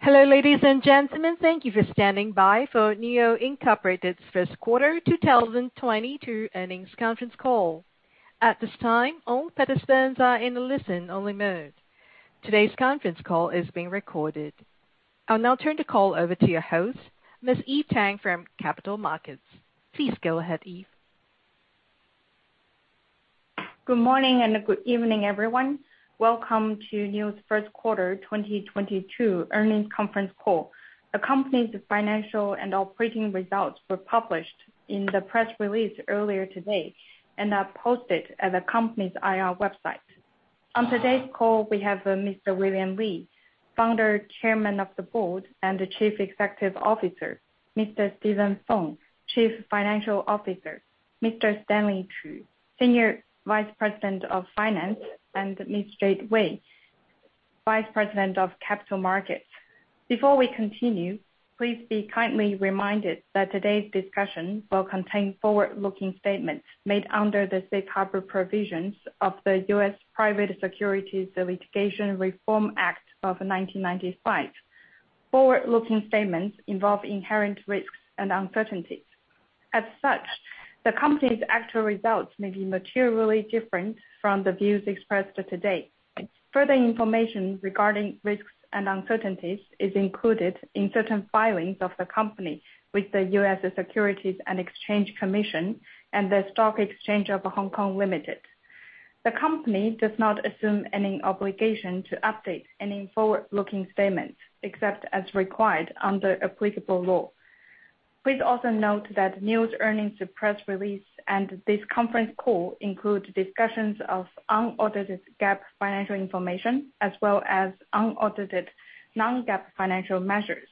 Hello, ladies and gentlemen, thank you for standing by for NIO Inc.'s First Quarter 2022 Earnings Conference Call. At this time, all participants are in a listen-only mode. Today's conference call is being recorded. I'll now turn the call over to your host, Ms. Eve Tang from Capital Markets. Please go ahead, Eve. Good morning and good evening, everyone. Welcome to NIO's First Quarter 2022 Earnings Conference Call. The company's financial and operating results were published in the press release earlier today and are posted at the company's IR website. On today's call, we have Mr. William Li, Founder, Chairman of the Board, and the Chief Executive Officer, Mr. Steven Feng, Chief Financial Officer, Mr. Stanley Qu, Senior Vice President of Finance, and Ms. Jade Wei, Vice President of Capital Markets. Before we continue, please be kindly reminded that today's discussion will contain forward-looking statements made under the safe harbor provisions of the US Private Securities Litigation Reform Act of 1995. Forward-looking statements involve inherent risks and uncertainties. As such, the company's actual results may be materially different from the views expressed today. Further information regarding risks and uncertainties is included in certain filings of the company with the US Securities and Exchange Commission and The Stock Exchange of Hong Kong Limited. The company does not assume any obligation to update any forward-looking statements except as required under applicable law. Please also note that NIO's earnings press release and this conference call include discussions of unaudited GAAP financial information, as well as unaudited non-GAAP financial measures.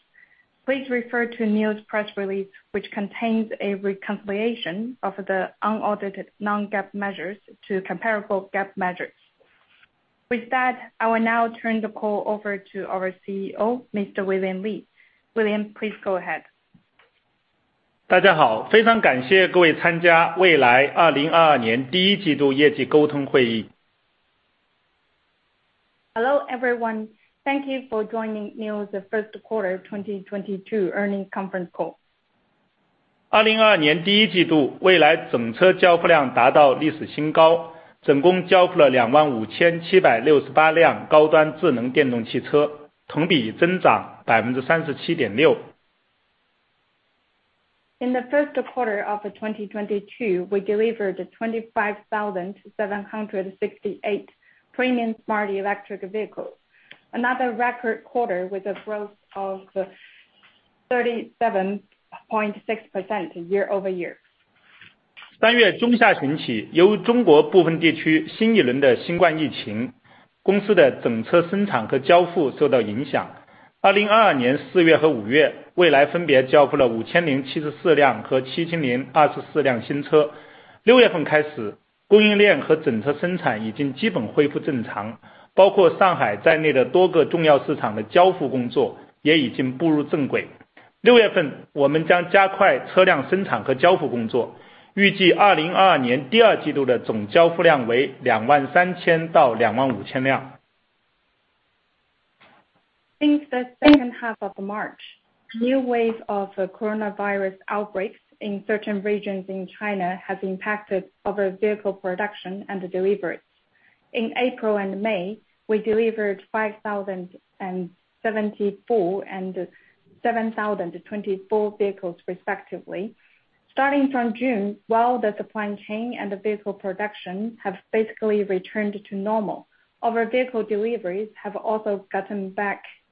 Please refer to NIO's press release, which contains a reconciliation of the unaudited non-GAAP measures to comparable GAAP measures. With that, I will now turn the call over to our CEO, Mr. William Li. William, please go ahead. Hello, everyone. Thank you for joining NIO's first quarter 2022 earnings conference call. In the first quarter of 2022, we delivered 25,768 premium smart electric vehicles, another record quarter with a growth of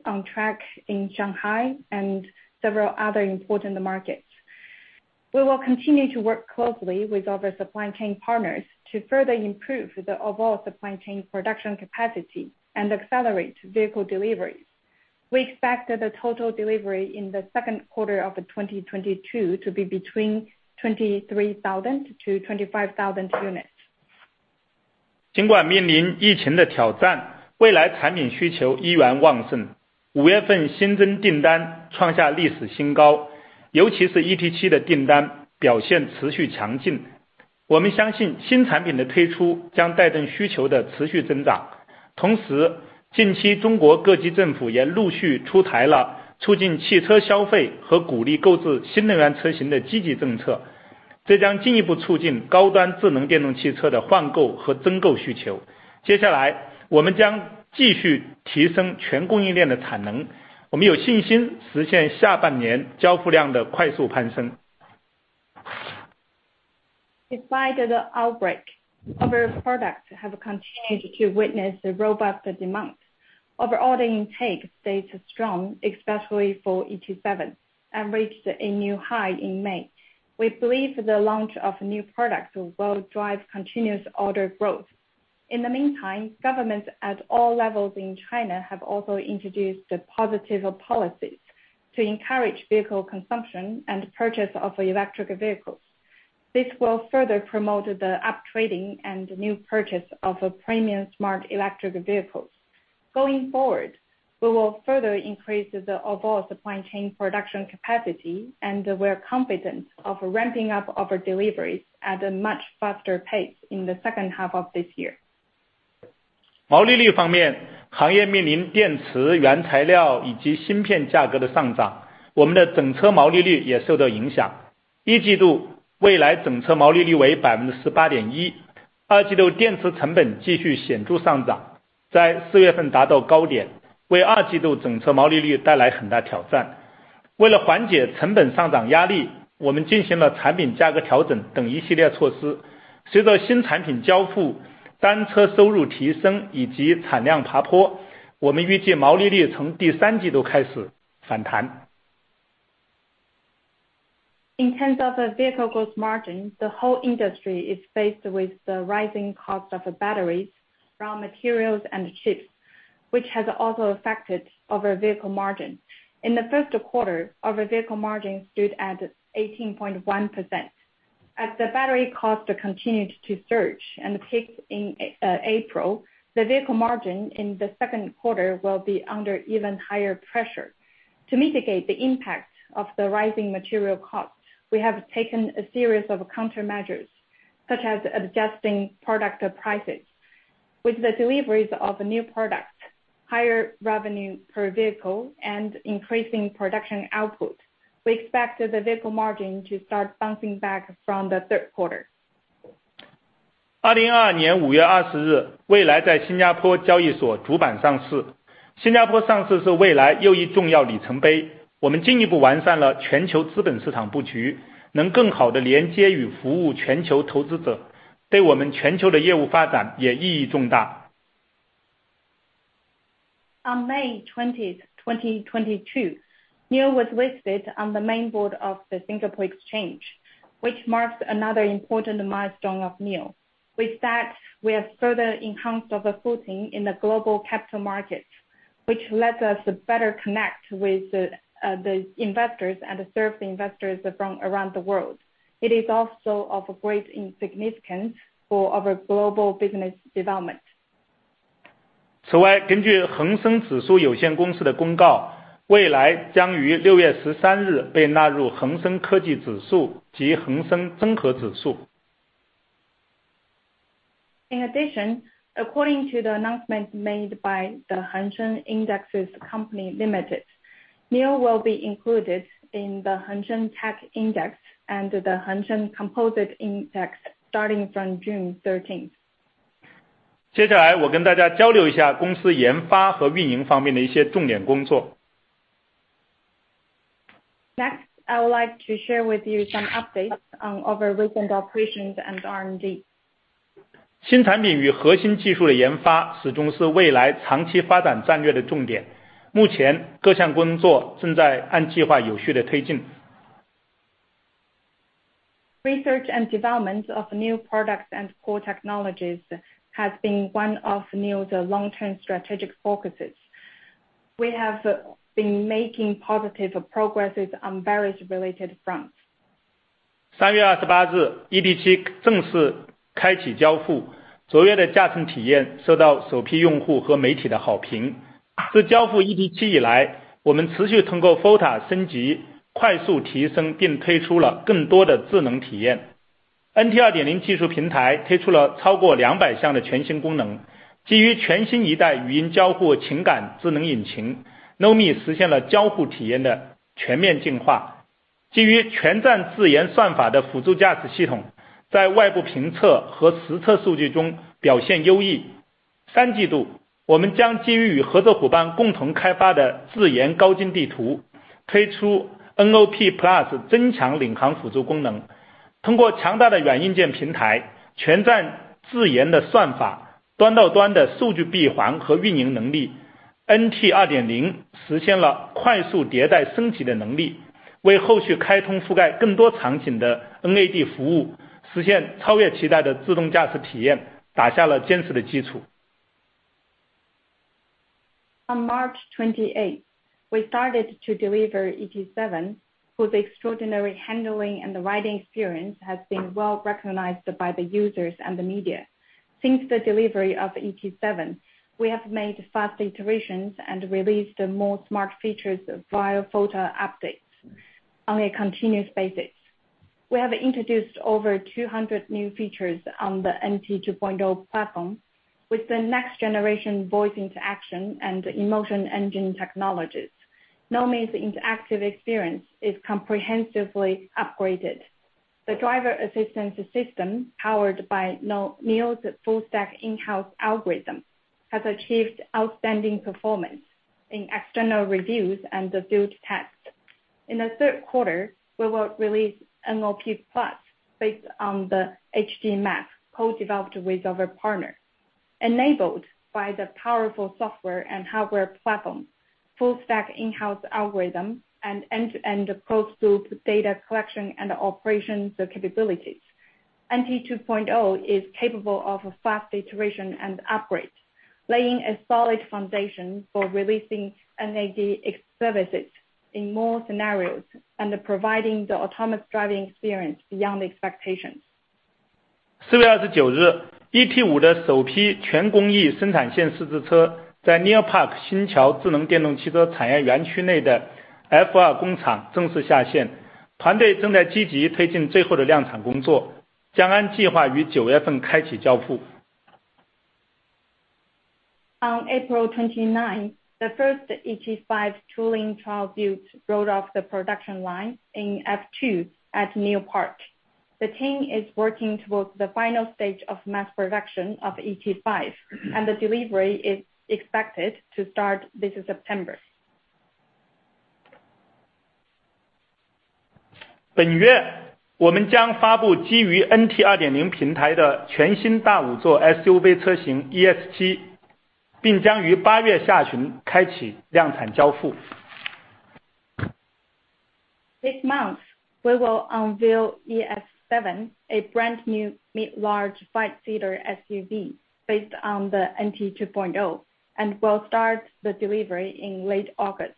year-over-year. Despite the outbreak, our products have continued to witness the robust demand. Our order intake stays strong, especially for ET7, and reached a new high in May. We believe the launch of new products will drive continuous order growth. In the meantime, governments at all levels in China have also introduced positive policies to encourage vehicle consumption and purchase of electric vehicles. This will further promote the up-trading and new purchase of premium smart electric vehicles. Going forward, we will further increase the overall supply chain production capacity, and we're confident of ramping up our deliveries at a much faster pace in the second half of this year. In terms of the vehicle gross margin, the whole industry is faced with the rising cost of batteries from materials and chips, which has also affected our vehicle margin. In the first quarter, our vehicle margin stood at 18.1%. As the battery cost continued to surge and peaked in April, the vehicle margin in the second quarter will be under even higher pressure. To mitigate the impact of the rising material costs, we have taken a series of countermeasures, such as adjusting product prices. With the deliveries of new products, higher revenue per vehicle, and increasing production output, we expect the vehicle margin to start bouncing back from the third quarter. 2022年5月20日，蔚来在新加坡交易所主板上市。新加坡上市是蔚来又一重要里程碑。我们进一步完善了全球资本市场布局，能更好地连接与服务全球投资者，对我们全球的业务发展也意义重大。On 20 May 2022, NIO was listed on the main board of the Singapore Exchange, which marks another important milestone of NIO. With that, we have further enhanced our footing in the global capital market, which lets us better connect with the investors and serve the investors from around the world. It is also of a great significance for our global business development. 此外，根据恒生指数有限公司的公告，蔚来将于6月13日被纳入恒生科技指数及恒生综合指数。In addition, according to the announcement made by the Hang Seng Indexes Company Limited, NIO will be included in the Hang Seng TECH Index and the Hang Seng Composite Index starting from 13 June 2022. 接下来我跟大家交流一下公司研发和运营方面的一些重点工作。Next, I would like to share with you some updates on our recent operations and R&D. 新产品与核心技术的研发始终是蔚来长期发展战略的重点。目前各项工作正在按计划有序地推进。Research and development of new products and core technologies has been one of NIO's long-term strategic focuses. We have been making positive progress on various related fronts. 3月28日，ET7正式开启交付，卓越的驾乘体验受到首批用户和媒体的好评。自交付ET7以来，我们持续通过FOTA升级，快速提升，并推出了更多的智能体验。NT 2.0技术平台推出了超过两百项的全新功能，基于全新一代语音交互情感智能引擎，NOMI实现了交互体验的全面进化。基于全栈自研算法的辅助驾驶系统，在外部评测和实测数据中表现优异。三季度，我们将基于与合作伙伴共同开发的自研高精地图，推出NOP+增强领航辅助功能，通过强大的软硬件平台，全栈自研的算法，端到端的数据闭环和运营能力，NT 2.0实现了快速迭代升级的能力，为后续开通覆盖更多场景的NAD服务，实现超越期待的自动驾驶体验打下了坚实的基础。On 28 March 2022, we started to deliver ET7, whose extraordinary handling and riding experience has been well recognized by the users and the media. Since the delivery of ET7, we have made fast iterations and released more smart features via FOTA updates on a continuous basis. We have introduced over 200 new features on the NT 2.0 platform with the next generation voice interaction and emotion engine technologies. NOMI's interactive experience is comprehensively upgraded. The driver assistance system, powered by NIO's full stack in-house algorithm, has achieved outstanding performance in external reviews and field tests. In the third quarter, we will release NOP+ based on the HD Map co-developed with our partner. Enabled by the powerful software and hardware platform, full stack in-house algorithm, and end-to-end closed-loop data collection and operations capabilities, NT 2.0 is capable of fast iteration and upgrade, laying a solid foundation for releasing NAD services in more scenarios, and providing the autonomous driving experience beyond expectations. 4月29日，ET5的首批全工艺生产线试制车在NeoPark新桥智能电动汽车产业园区内的F2工厂正式下线。团队正在积极推进最后的量产工作，将按计划于九月份开启交付。On 29 April 2022, the first ET5 tooling trial built rolled off the production line in F2 at NeoPark. The team is working towards the final stage of mass production of ET5, and the delivery is expected to start this September. 本月我们将发布基于NT 2.0平台的全新大五座SUV车型ES7，并将于八月下旬开启量产交付。This month, we will unveil ES7, a brand new mid-large five-seater SUV based on the NT 2.0, and will start the delivery in late August.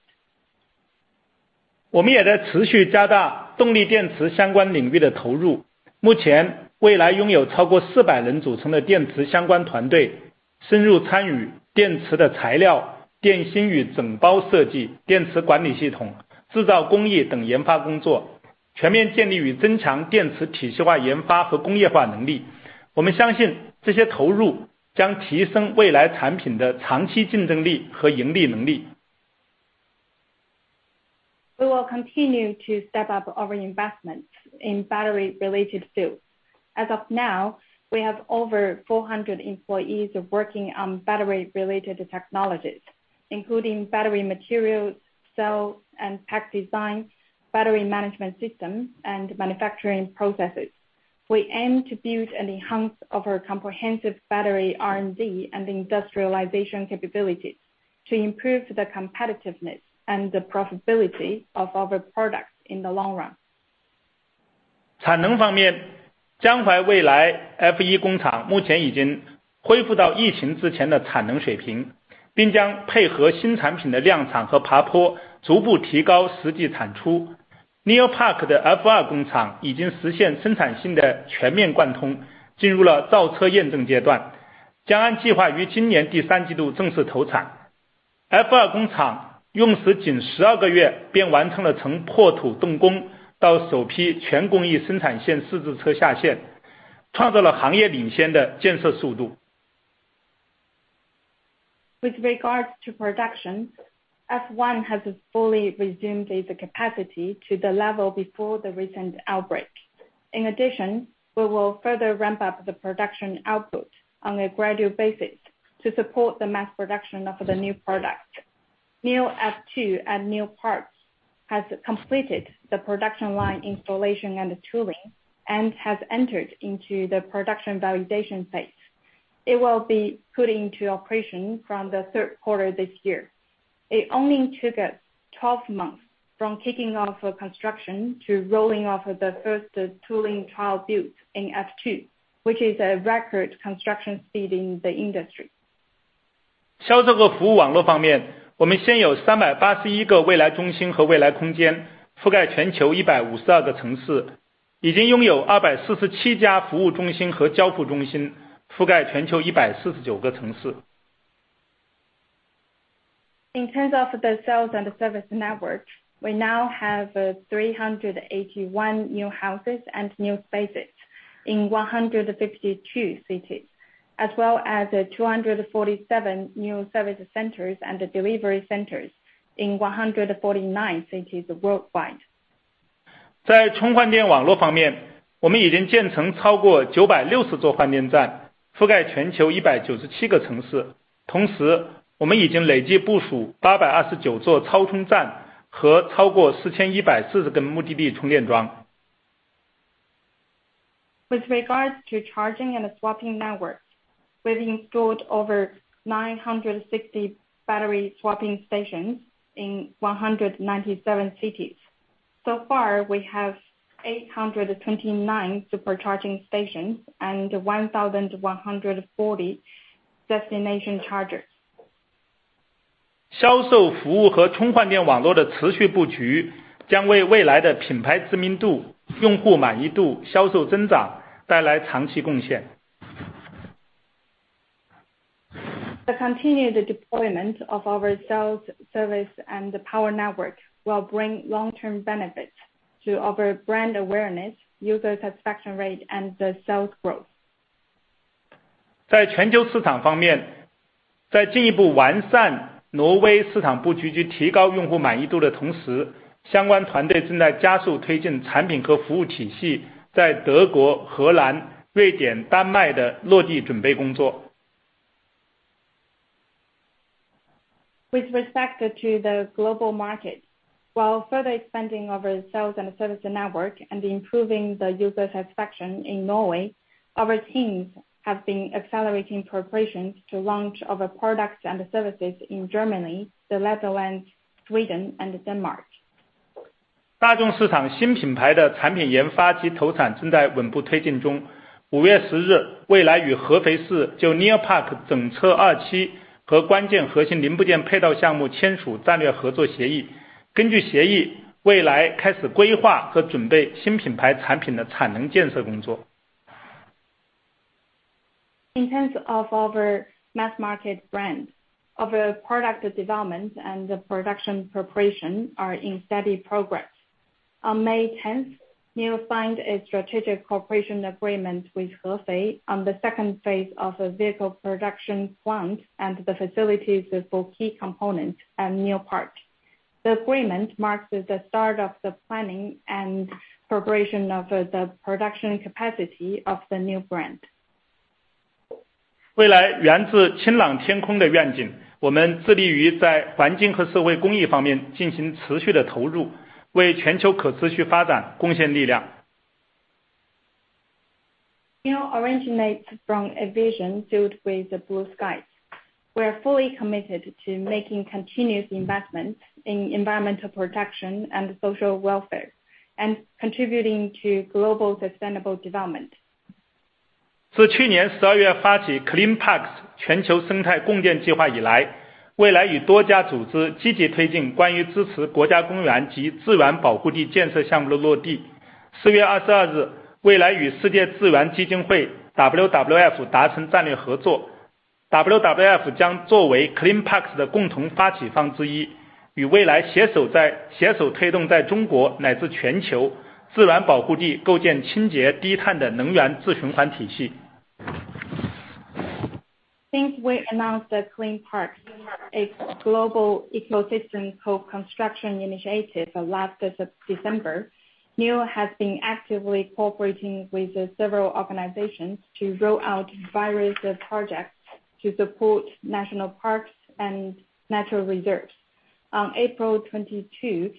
我们也在持续加大动力电池相关领域的投入。目前，蔚来拥有超过400人组成的电池相关团队，深入参与电池的材料、电芯与整包设计、电池管理系统、制造工艺等研发工作，全面建立与增强电池体系化研发和工业化能力。我们相信这些投入将提升未来产品的长期竞争力和盈利能力。We will continue to step up our investment in battery related fields. As of now, we have over 400 employees working on battery related technologies, including battery materials, cell and pack design, battery management system, and manufacturing processes. We aim to build and enhance our comprehensive battery R&D and industrialization capabilities to improve the competitiveness and the profitability of our products in the long run. With regards to production, F1 has fully resumed its capacity to the level before the recent outbreak. In addition, we will further ramp up the production output on a gradual basis to support the mass production of the new product. NeoF2 at NeoPark has completed the production line installation and tooling, and has entered into the production validation phase. It will be put into operation from the third quarter this year. It only took us 12 months from kicking off construction to rolling out the first tooling trial built in F2, which is a record construction speed in the industry. 销售和服务网络方面，我们现有381个蔚来中心和蔚来空间，覆盖全球152个城市，已经拥有247家服务中心和交付中心，覆盖全球149个城市。In terms of the sales and service network, we now have 381 NIO Houses and NIO Spaces in 152 cities, as well as 247 NIO Service Centers and NIO Delivery Centers in 149 cities worldwide. 在充换电网络方面，我们已经建成超过960座换电站，覆盖全球197个城市。同时，我们已经累计部署829座超充站和超过4,140根目的地充电桩。With regards to charging and swapping networks, we've installed over 960 battery swapping stations in 197 cities. So far, we have 829 supercharging stations and 1,140 destination chargers. 销售服务和充换电网络的持续布局，将为未来的品牌知名度、用户满意度、销售增长带来长期贡献。The continued deployment of our sales service and power network will bring long-term benefits to our brand awareness, user satisfaction rate, and the sales growth. 在全球市场方面，在进一步完善挪威市场布局及提高用户满意度的同时，相关团队正在加速推进产品和服务体系在德国、荷兰、瑞典、丹麦的落地准备工作。With respect to the global market, while further expanding our sales and service network and improving the user satisfaction in Norway, our teams have been accelerating preparations to launch of our products and services in Germany, the Netherlands, Sweden and Denmark. 大众市场新品牌的产品研发及投产正在稳步推进中。五月十日，蔚来与合肥市就NeoPark整车二期和关键核心零部件配套项目签署战略合作协议。根据协议，蔚来开始规划和准备新品牌产品的产能建设工作。In terms of our mass market brand, our product development and the production preparation are in steady progress. On 10 May 2022, NIO signed a strategic cooperation agreement with Hefei on the second phase of a vehicle production plant and the facilities for key components at NeoPark. The agreement marks the start of the planning and preparation of the production capacity of the new brand. NIO originates from a vision filled with the blue skies. We are fully committed to making continuous investments in environmental protection and social welfare, and contributing to global sustainable development. Since we announced the Clean Parks, a global ecosystem co-construction initiative last December, NIO has been actively cooperating with several organizations to roll out various projects to support national parks and natural reserves. On 22 April 2022,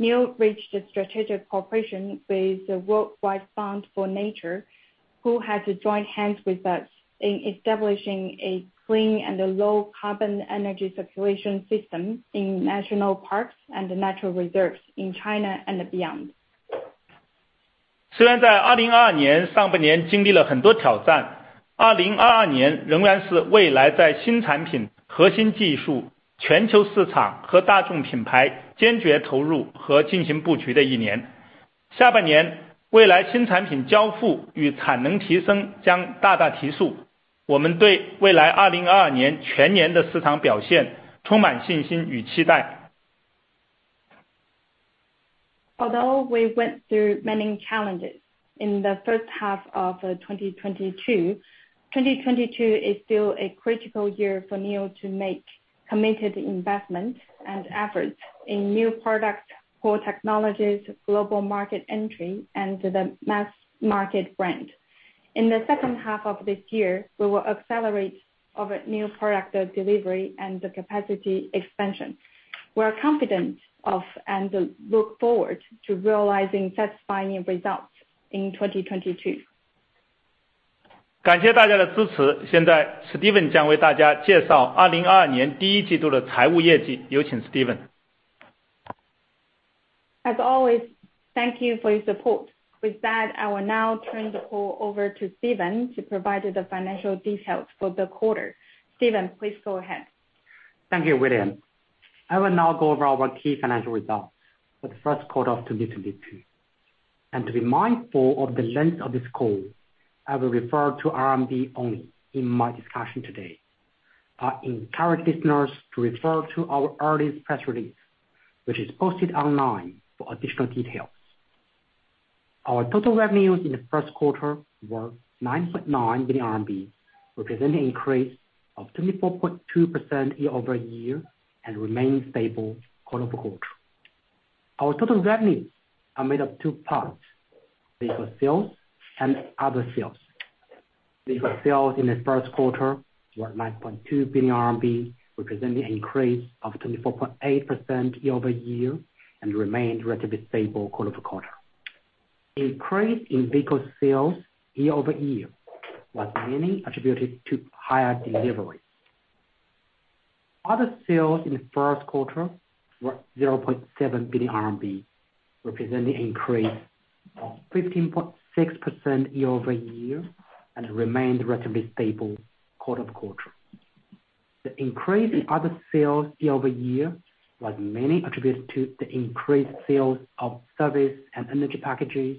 NIO reached a strategic cooperation with the World Wide Fund for Nature, who has joined hands with us in establishing a clean and a low carbon energy circulation system in national parks and natural reserves in China and beyond. Although we went through many challenges in the first half of 2022 is still a critical year for NIO to make committed investment and efforts in new product, core technologies, global market entry, and the mass market brand. In the second half of this year, we will accelerate our new product delivery and the capacity expansion. We are confident of and look forward to realizing satisfying results in 2022. As always, thank you for your support. With that, I will now turn the call over to Steven to provide the financial details for the quarter. Steven, please go ahead. Thank you, William. I will now go over our key financial results for the first quarter of 2022. To be mindful of the length of this call, I will refer to RMB only in my discussion today. I encourage listeners to refer to our earlier press release, which is posted online for additional details. Our total revenues in the first quarter were 9.9 billion RMB, representing an increase of 24.2% year-over-year, and remained stable quarter-over-quarter. Our total revenues are made of two parts, vehicle sales and other sales. Vehicle sales in the first quarter were 9.2 billion RMB, representing an increase of 24.8% year-over-year, and remained relatively stable quarter-over-quarter. Increase in vehicle sales year-over-year was mainly attributed to higher deliveries. Other sales in the first quarter were 0.7 billion RMB, representing increase of 15.6% year-over-year, and remained relatively stable quarter-over-quarter. The increase in other sales year-over-year was mainly attributed to the increased sales of service and energy packages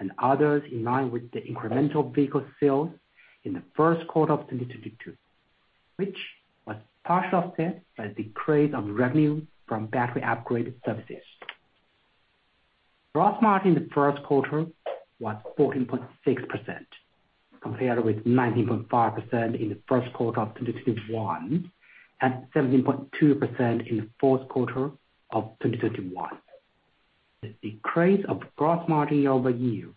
and others in line with the incremental vehicle sales in the first quarter of 2022, which was partially offset by the decrease of revenue from battery upgrade services. Gross margin in the first quarter was 14.6%, compared with 19.5% in the first quarter of 2021, and 17.2% in the fourth quarter of 2021. The decrease of gross margin year-over-year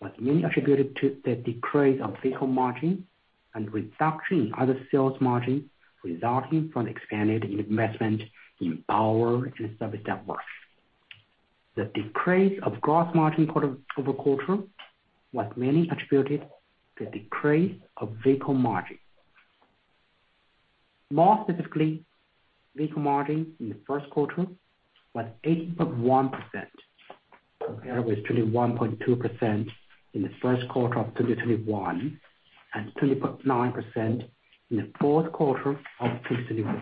was mainly attributed to the decrease of vehicle margin and reduction in other sales margin, resulting from expanded investment in power and service networks. The decrease of gross margin quarter-over-quarter was mainly attributed to the decrease of vehicle margin. More specifically, vehicle margin in the first quarter was 18.1%, compared with 21.2% in the first quarter of 2021, and 20.9% in the fourth quarter of 2021.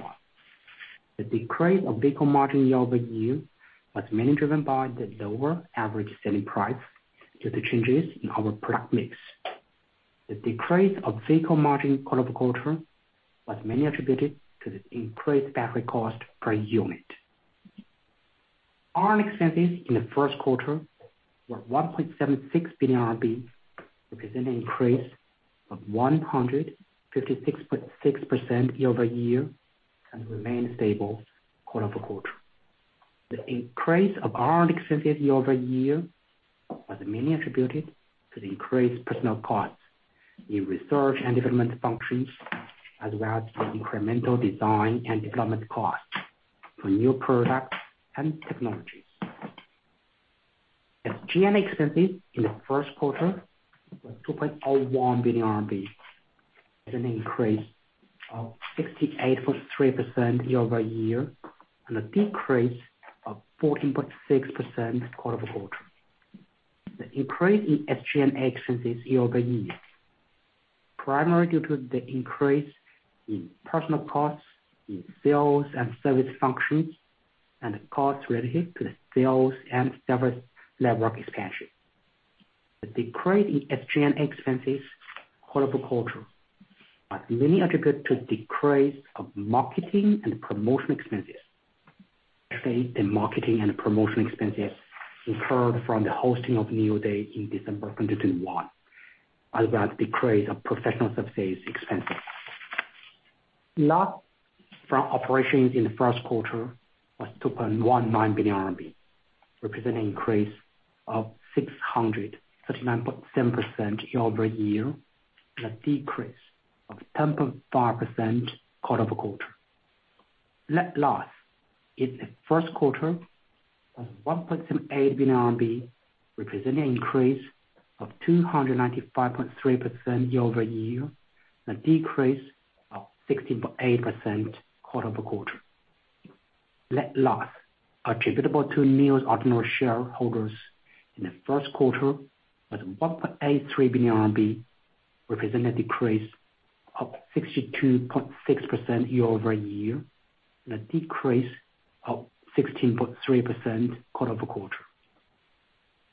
The decrease of vehicle margin year-over-year was mainly driven by the lower average selling price due to changes in our product mix. The decrease of vehicle margin quarter-over-quarter was mainly attributed to the increased battery cost per unit. R&D expenses in the first quarter were 1.76 billion RMB, representing an increase of 156.6% year-over-year and remain stable quarter-over-quarter. The increase of R&D expenses year-over-year was mainly attributed to the increased personal costs in research and development functions, as well as the incremental design and development costs for new products and technologies. The SG&A expenses in the first quarter was 2.01 billion RMB, an increase of 68.3% year-over-year, and a decrease of 14.6% quarter-over-quarter. The increase in SG&A expenses year-over-year, primarily due to the increase in personal costs in sales and service functions, and the costs related to the sales and service network expansion. The decrease in SG&A expenses quarter-over-quarter are mainly attributed to the decrease of marketing and promotion expenses. The marketing and promotion expenses incurred from the hosting of NIO Day in December 2021, as well as decrease of professional services expenses. Loss from operations in the first quarter was 2.19 billion RMB, representing a 639.7% increase year-over-year, and a 10.5% decrease quarter-over-quarter. Net loss in the first quarter of 1.78 billion RMB, representing a 295.3% increase year-over-year, a 16.8% decrease quarter-over-quarter. Net loss attributable to NIO's ordinary shareholders in the first quarter was 1.83 billion RMB, representing a 62.6% decrease year-over-year, and a 16.3% decrease quarter-over-quarter.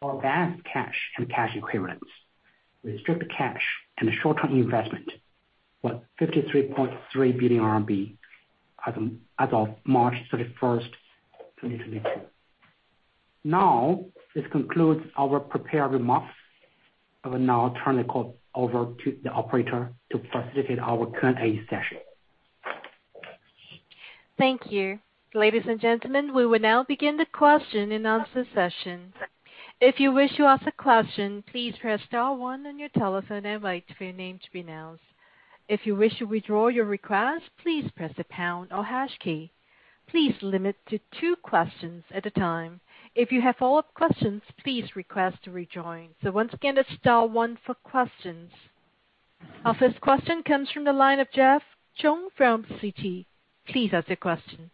Our cash and cash equivalents, restricted cash and short-term investments, was 53.3 billion RMB as of 31 March 2022. Now, this concludes our prepared remarks. I will now turn the call over to the operator to facilitate our Q&A session. Thank you. Ladies and gentlemen, we will now begin the question and answer session. If you wish to ask a question, please press star one on your telephone and wait for your name to be announced. If you wish to withdraw your request, please press the pound or hash key. Please limit to two questions at a time. If you have follow-up questions, please request to rejoin. Once again, it's star one for questions. Our first question comes from the line of Jeff Chung from Citi. Please ask your question.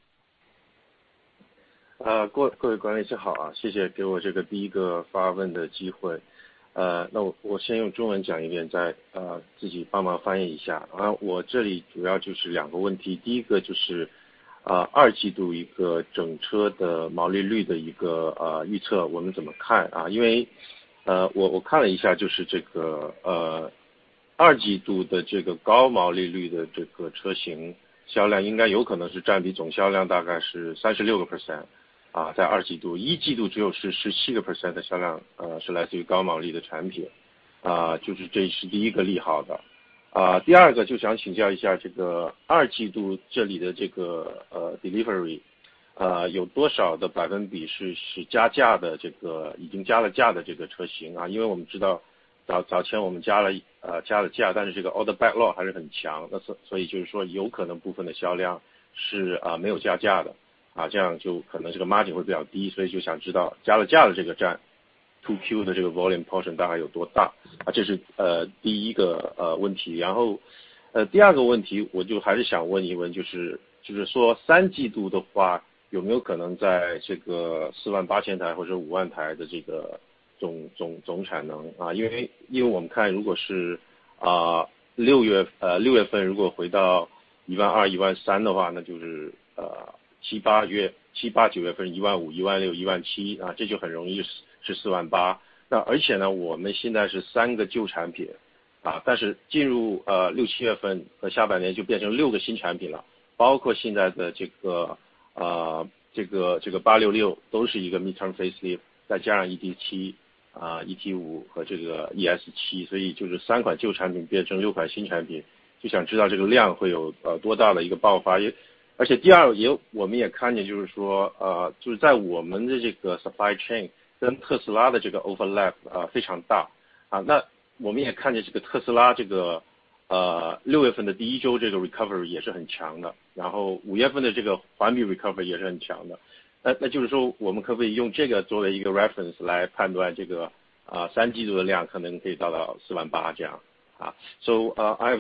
I have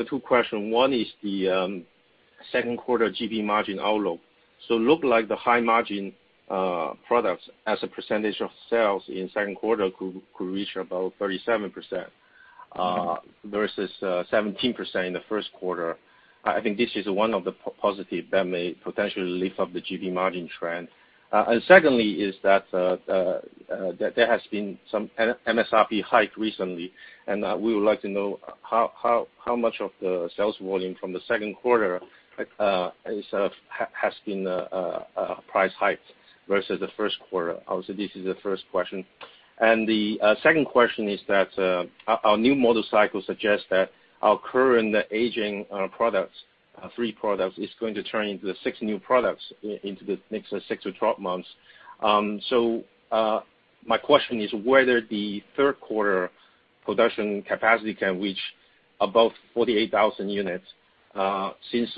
two questions. One is the second quarter GP margin outlook. Looks like the high margin products as a percentage of sales in second quarter could reach about 37%. Versus 17% in the first quarter. I think this is one of the positive that may potentially lift up the GP margin trend. Secondly, that there has been some MSRP hike recently, and we would like to know how much of the sales volume from the second quarter has been price hiked versus the first quarter. Also, this is the first question. The second question is that our new model cycle suggests that our current aging products, three products, is going to turn into six new products into the next six to 12 months. My question is whether the third quarter production capacity can reach above 48,000 units, since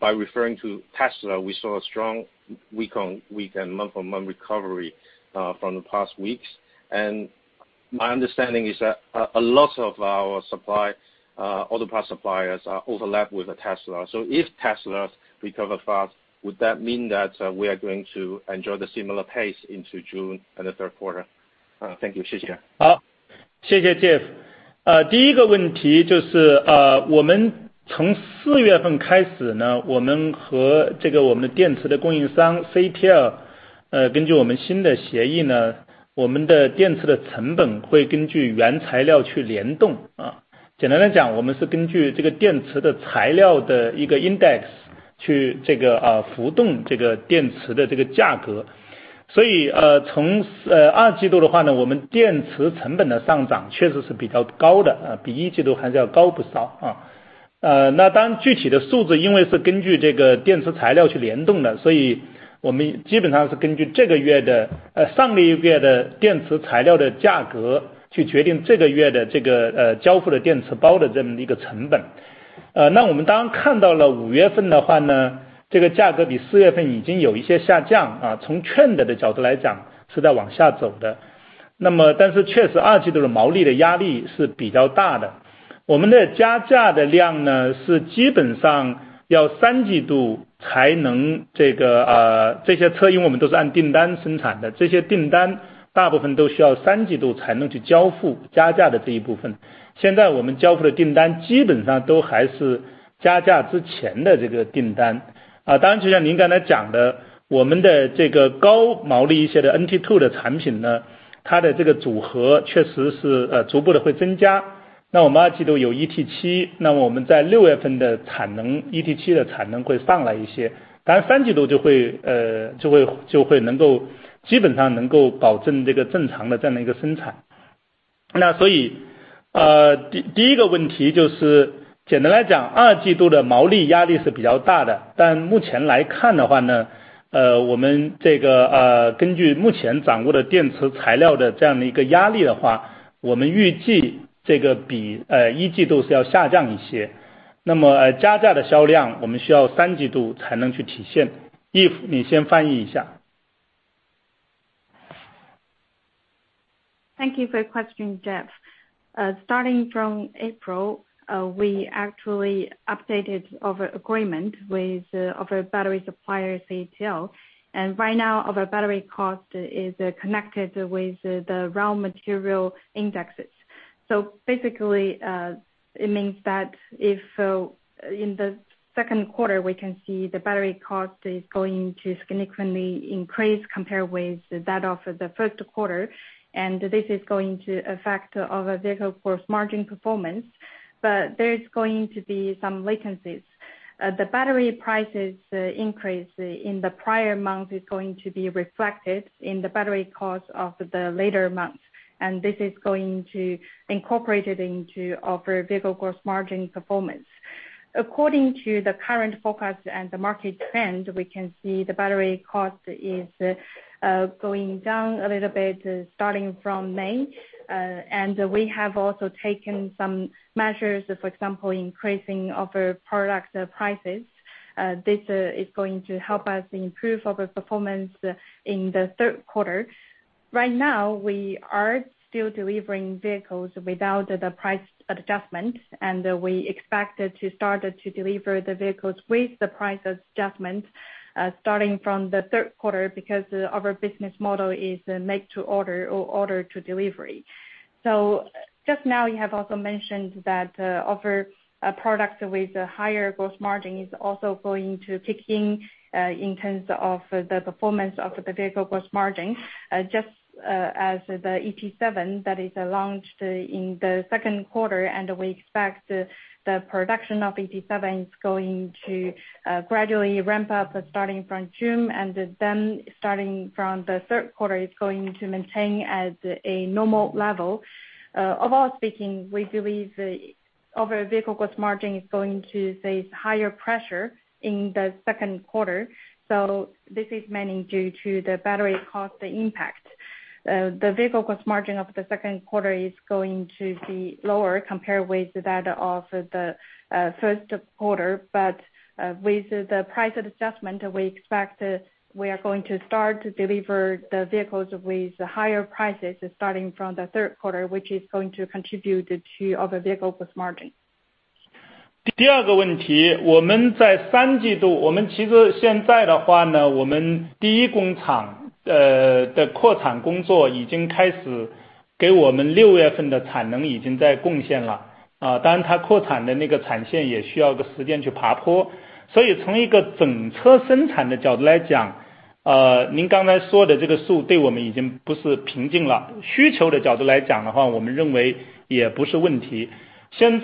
by referring to Tesla, we saw a strong week-on-week and month-on-month recovery from the past weeks. My understanding is that a lot of our supply auto parts suppliers are overlapped with the Tesla. If Tesla recover fast, would that mean that we are going to enjoy the similar pace into June and the third quarter? Thank you. Thank you for your question, Jeff. Starting from April, we actually updated our agreement with our battery supplier, CATL. Right now, our battery cost is connected with the raw material indexes. Basically, it means that if in the second quarter, we can see the battery cost is going to significantly increase compared with that of the first quarter. This is going to affect our vehicle gross margin performance, but there is going to be some latencies. The battery prices increase in the prior month is going to be reflected in the battery cost of the later month. This is going to incorporate it into our vehicle gross margin performance. According to the current forecast and the market trend, we can see the battery cost is going down a little bit starting from May. We have also taken some measures, for example, increasing of our product prices. This is going to help us improve our performance in the third quarter. Right now, we are still delivering vehicles without the price adjustment, and we expect to start to deliver the vehicles with the price adjustment, starting from the third quarter because our business model is make to order or order to delivery. Just now, you have also mentioned that our product with a higher gross margin is also going to kick in terms of the performance of the vehicle gross margin, just as the ET7 that is launched in the second quarter. We expect the production of ET7 is going to gradually ramp up starting from June and then starting from the third quarter is going to maintain at a normal level. Overall speaking, we believe our vehicle gross margin is going to face higher pressure in the second quarter. This is mainly due to the battery cost impact. The vehicle gross margin of the second quarter is going to be lower compared with that of the first quarter. With the price adjustment, we expect we are going to start to deliver the vehicles with the higher prices starting from the third quarter, which is going to contribute to our vehicle gross margin. With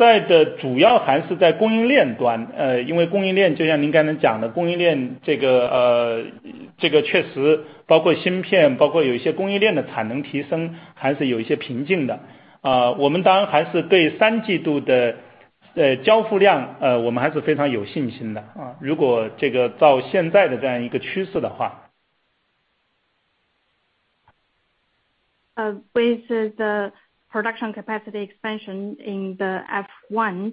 the production capacity expansion in the F1,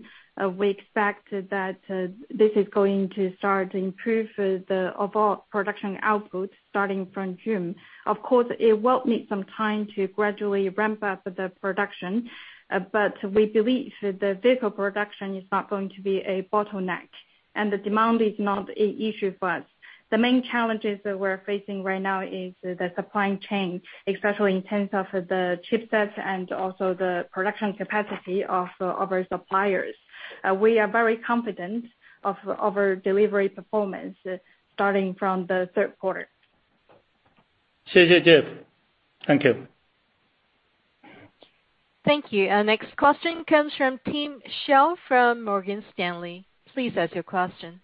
we expect that this is going to start improve the overall production output starting from June. Of course it will need some time to gradually ramp up the production, but we believe the vehicle production is not going to be a bottleneck, and the demand is not a issue for us. The main challenges that we are facing right now is the supply chain, especially in terms of the chipsets and also the production capacity of our suppliers. We are very confident of our delivery performance starting from the third quarter. Xie xie, Jeff. Thank you. Thank you. Next question comes from Tim Hsiao from Morgan Stanley. Please ask your question.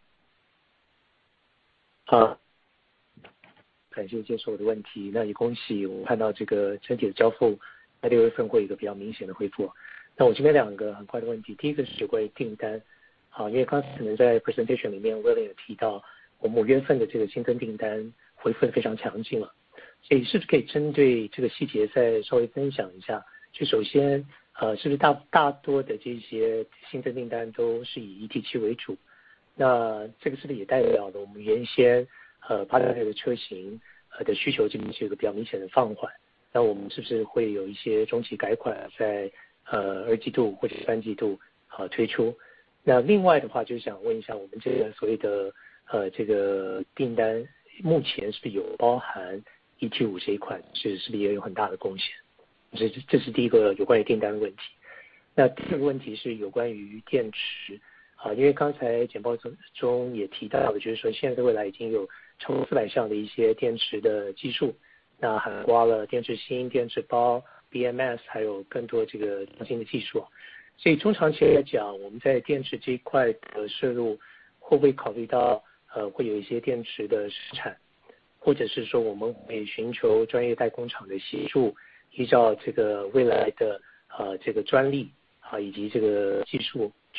好，感谢接受我的问题，那也恭喜我看到这个整体的交付在六月份会有一个比较明显的恢复。那我这边两个很快的问题，第一个是关于订单，好，因为刚才可能在 presentation 里面 William 提到我们五月份的这个新增订单恢复得非常强劲了，所以是不是可以针对这个细节再稍微分享一下，就首先，是不是大多的这些新增订单都是以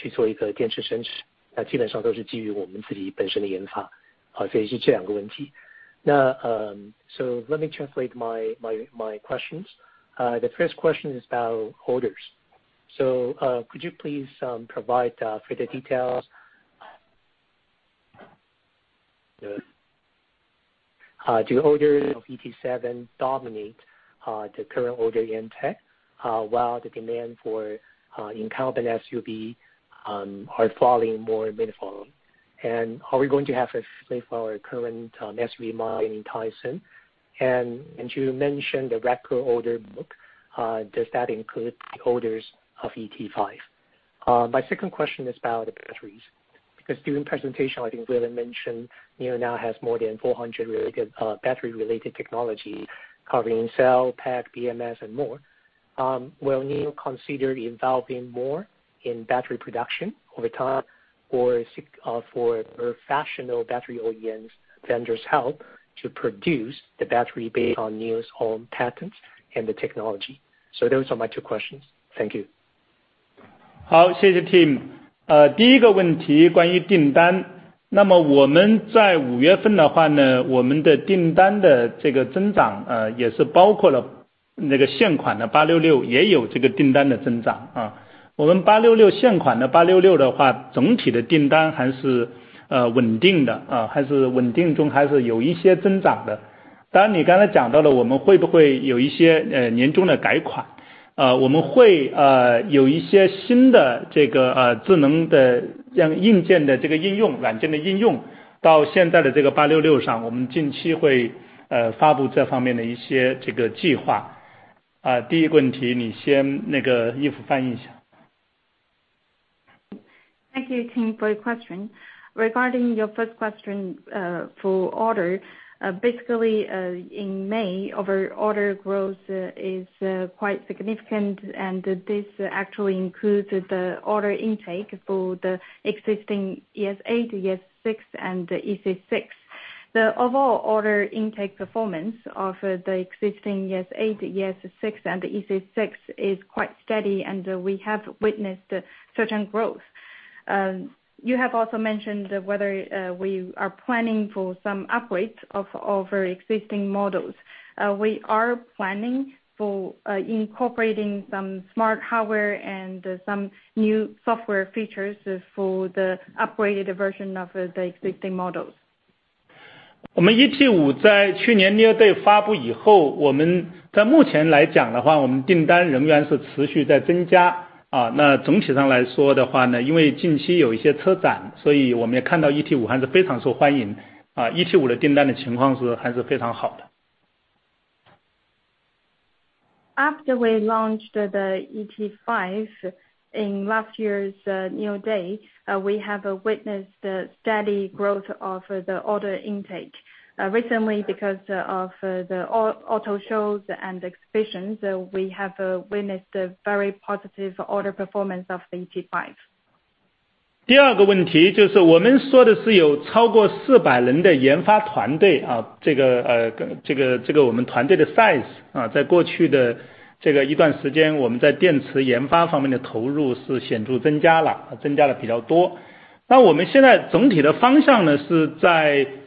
So let me translate my questions. The first question is about orders, so could you please provide further details? Do orders of ET7 dominate the current order intake, while the demand for incumbent SUV models are falling more meaningfully? Are we going to have a refresh for our current SUV models anytime soon? And you mentioned the record order book, does that include the orders of ET5? My second question is about the batteries, because during the presentation I think William mentioned NIO now has more than 400 battery-related technologies covering cell, pack, BMS and more. Will NIO consider involving more in battery production over time, or seek professional battery OEM vendors' help to produce the battery based on NIO's patents and technology? So those are my two questions. Thank you. Thank you Tim for your question. Regarding your first question for order, basically in May, our order growth is quite significant, and this actually includes the order intake for the existing ES8, ES6 and EC6. The overall order intake performance of the existing ES8, ES6 and EC6 is quite steady, and we have witnessed certain growth. You have also mentioned whether we are planning for some upgrades of our existing models. We are planning for incorporating some smart hardware and some new software features for the upgraded version of the existing models. 我们ET5在去年NIO Day发布以后，我们在目前来讲的话，我们订单仍然是持续在增加，那总体上来说的话呢，因为近期有一些车展，所以我们也看到ET5还是非常受欢迎，ET5的订单的情况是还是非常好的。After we launched the ET5 in last year's NIO Day, we have witnessed the steady growth of the order intake recently because of the auto shows and exhibitions. We have witnessed very positive order performance of ET5. 第二个问题就是我们说的是有超过四百人的研发团队，这个团队的size，在过去的这段时间，我们在电池研发方面的投入是显著增加了，增加的比较多。那我们现在总体的方向呢，是在24年的我们在下一代的车上面，我们会有全新的这个800V，这个高压平台的快充的，这个当然也是换电的这样一个电池包，我们会launch这样的一个电池包，我们相信会有很多革命性的这样的技术会应用。那么在这个方面的话，我们的unified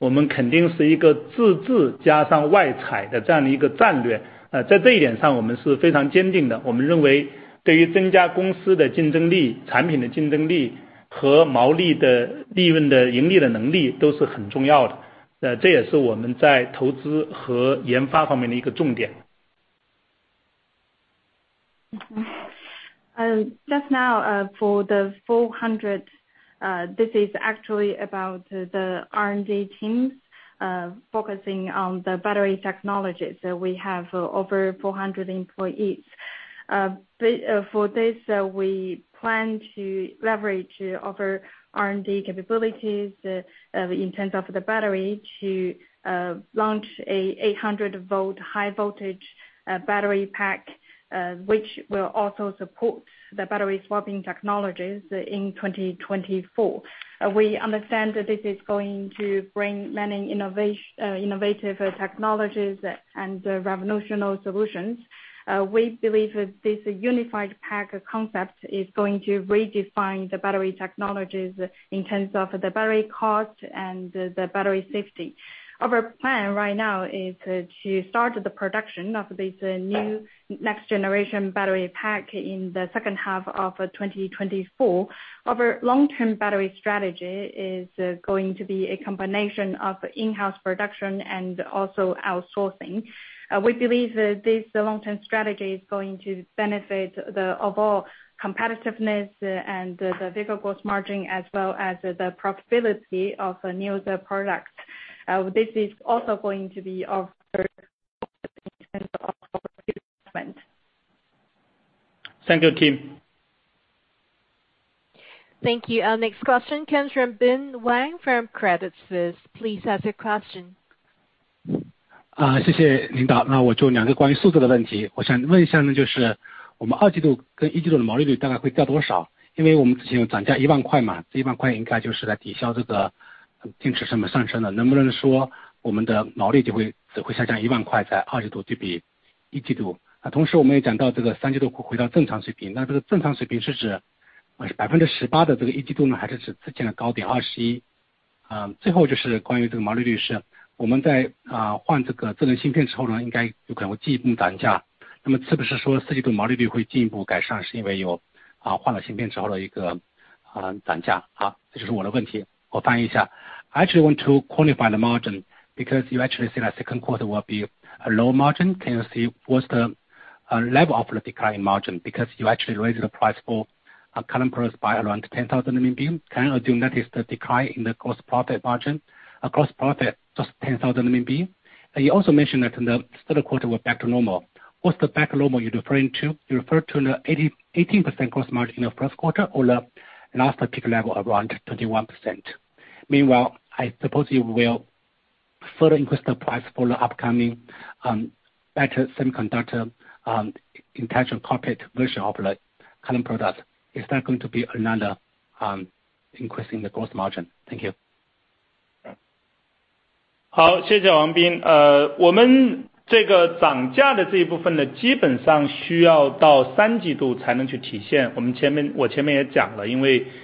Just now for the 400. This is actually about the R&D teams focusing on the battery technology. We have over 400 employees. For this we plan to leverage our R&D capabilities in terms of the battery to launch an 800V high voltage battery pack, which will also support the battery swapping technologies in 2024. We understand that this is going to bring many innovations, innovative technologies and revolutionary solutions. We believe this unified pack concept is going to redefine the battery technologies in terms of the battery cost and the battery safety. Our plan right now is to start the production of this new next generation battery pack in the second half of 2024. Our long-term battery strategy is going to be a combination of in-house production and also outsourcing. We believe that this long-term strategy is going to benefit the overall competitiveness and the vehicle gross margin, as well as the profitability of the new products. This is also going to be our first. Thank you team. Thank you. Our next question comes from Bin Wang from Credit Suisse. Please ask your question. I actually want to quantify the margin because you actually say that second quarter will be a low margin. Can you say what's the level of the decline in margin? Because you actually raised the price for current products by around 10,000. Can I notice the decline in the gross profit margin? Gross profit just 10,000. You also mentioned that the third quarter went back to normal. What's the back to normal you're referring to? You refer to the 8% to 18% gross margin of first quarter or the last peak level around 21%? Meanwhile, I suppose you will further increase the price for the upcoming better semiconductor intelligent cockpit version of the current product. Is that going to be another increase in the gross margin? Thank you. 好，谢谢王彬。我们这个涨价的这一部分呢，基本上需要到三季度才能去体现。我前面也讲了，因为我们涨价的这一部分的话呢，这个前边涨价之前的一些订单，我们现在还在交付那些订单，所以涨价还是需要在三季度才能去体现。那么二季度电池成本确实增加的是比较多一些，但具体的受的影响的话呢，我们现在还有一些不确定性吧，那我们如果从现在来看的话，是比一万要多一些的，这个我们从目前来看的话，但具体是多少的话，我们可能还需要看看这个近期的材料的价格的变化，因为我们已经是一个联动的这样的一个方式。所以这是二季度的一个情况。三季度的话呢，会恢复，也其实这里面也确实有一点不确定性，就是三季度我们虽然涨了价，但是我们需要看这个电池的上游材料的这样的一个趋势。当我们三季度这个第二代平台的车，它能增加一些毛利，所以总体上来讲，当然我们是能看到三季度肯定会反弹，但是反弹到底哪个水平，我们今天确实还有一些不确定性，因为这个和以前不一样的地方在于，我们现在这个电池的成本跟这个原材料是关联的，不像我们以前是一个fixed的价格比较好预测，这个主要不确定性来自于这个地方。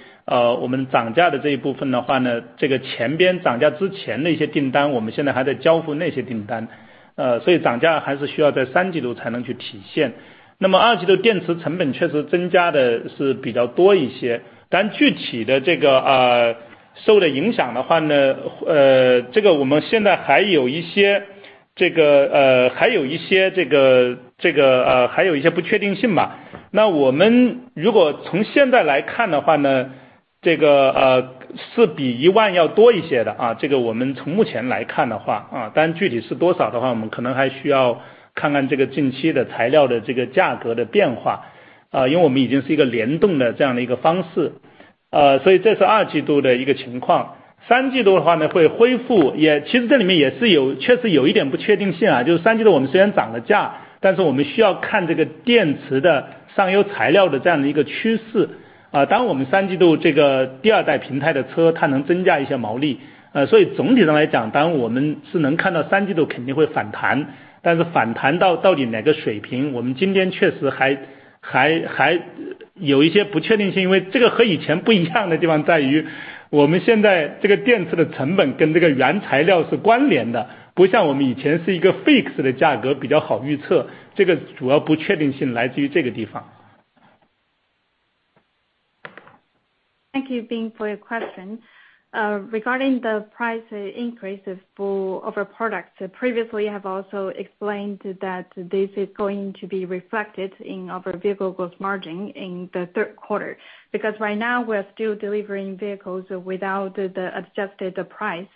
Thank you, Bin, for your question. Regarding the price increase for our products. Previously have also explained that this is going to be reflected in our vehicle gross margin in the third quarter. Because right now we are still delivering vehicles without the adjusted price.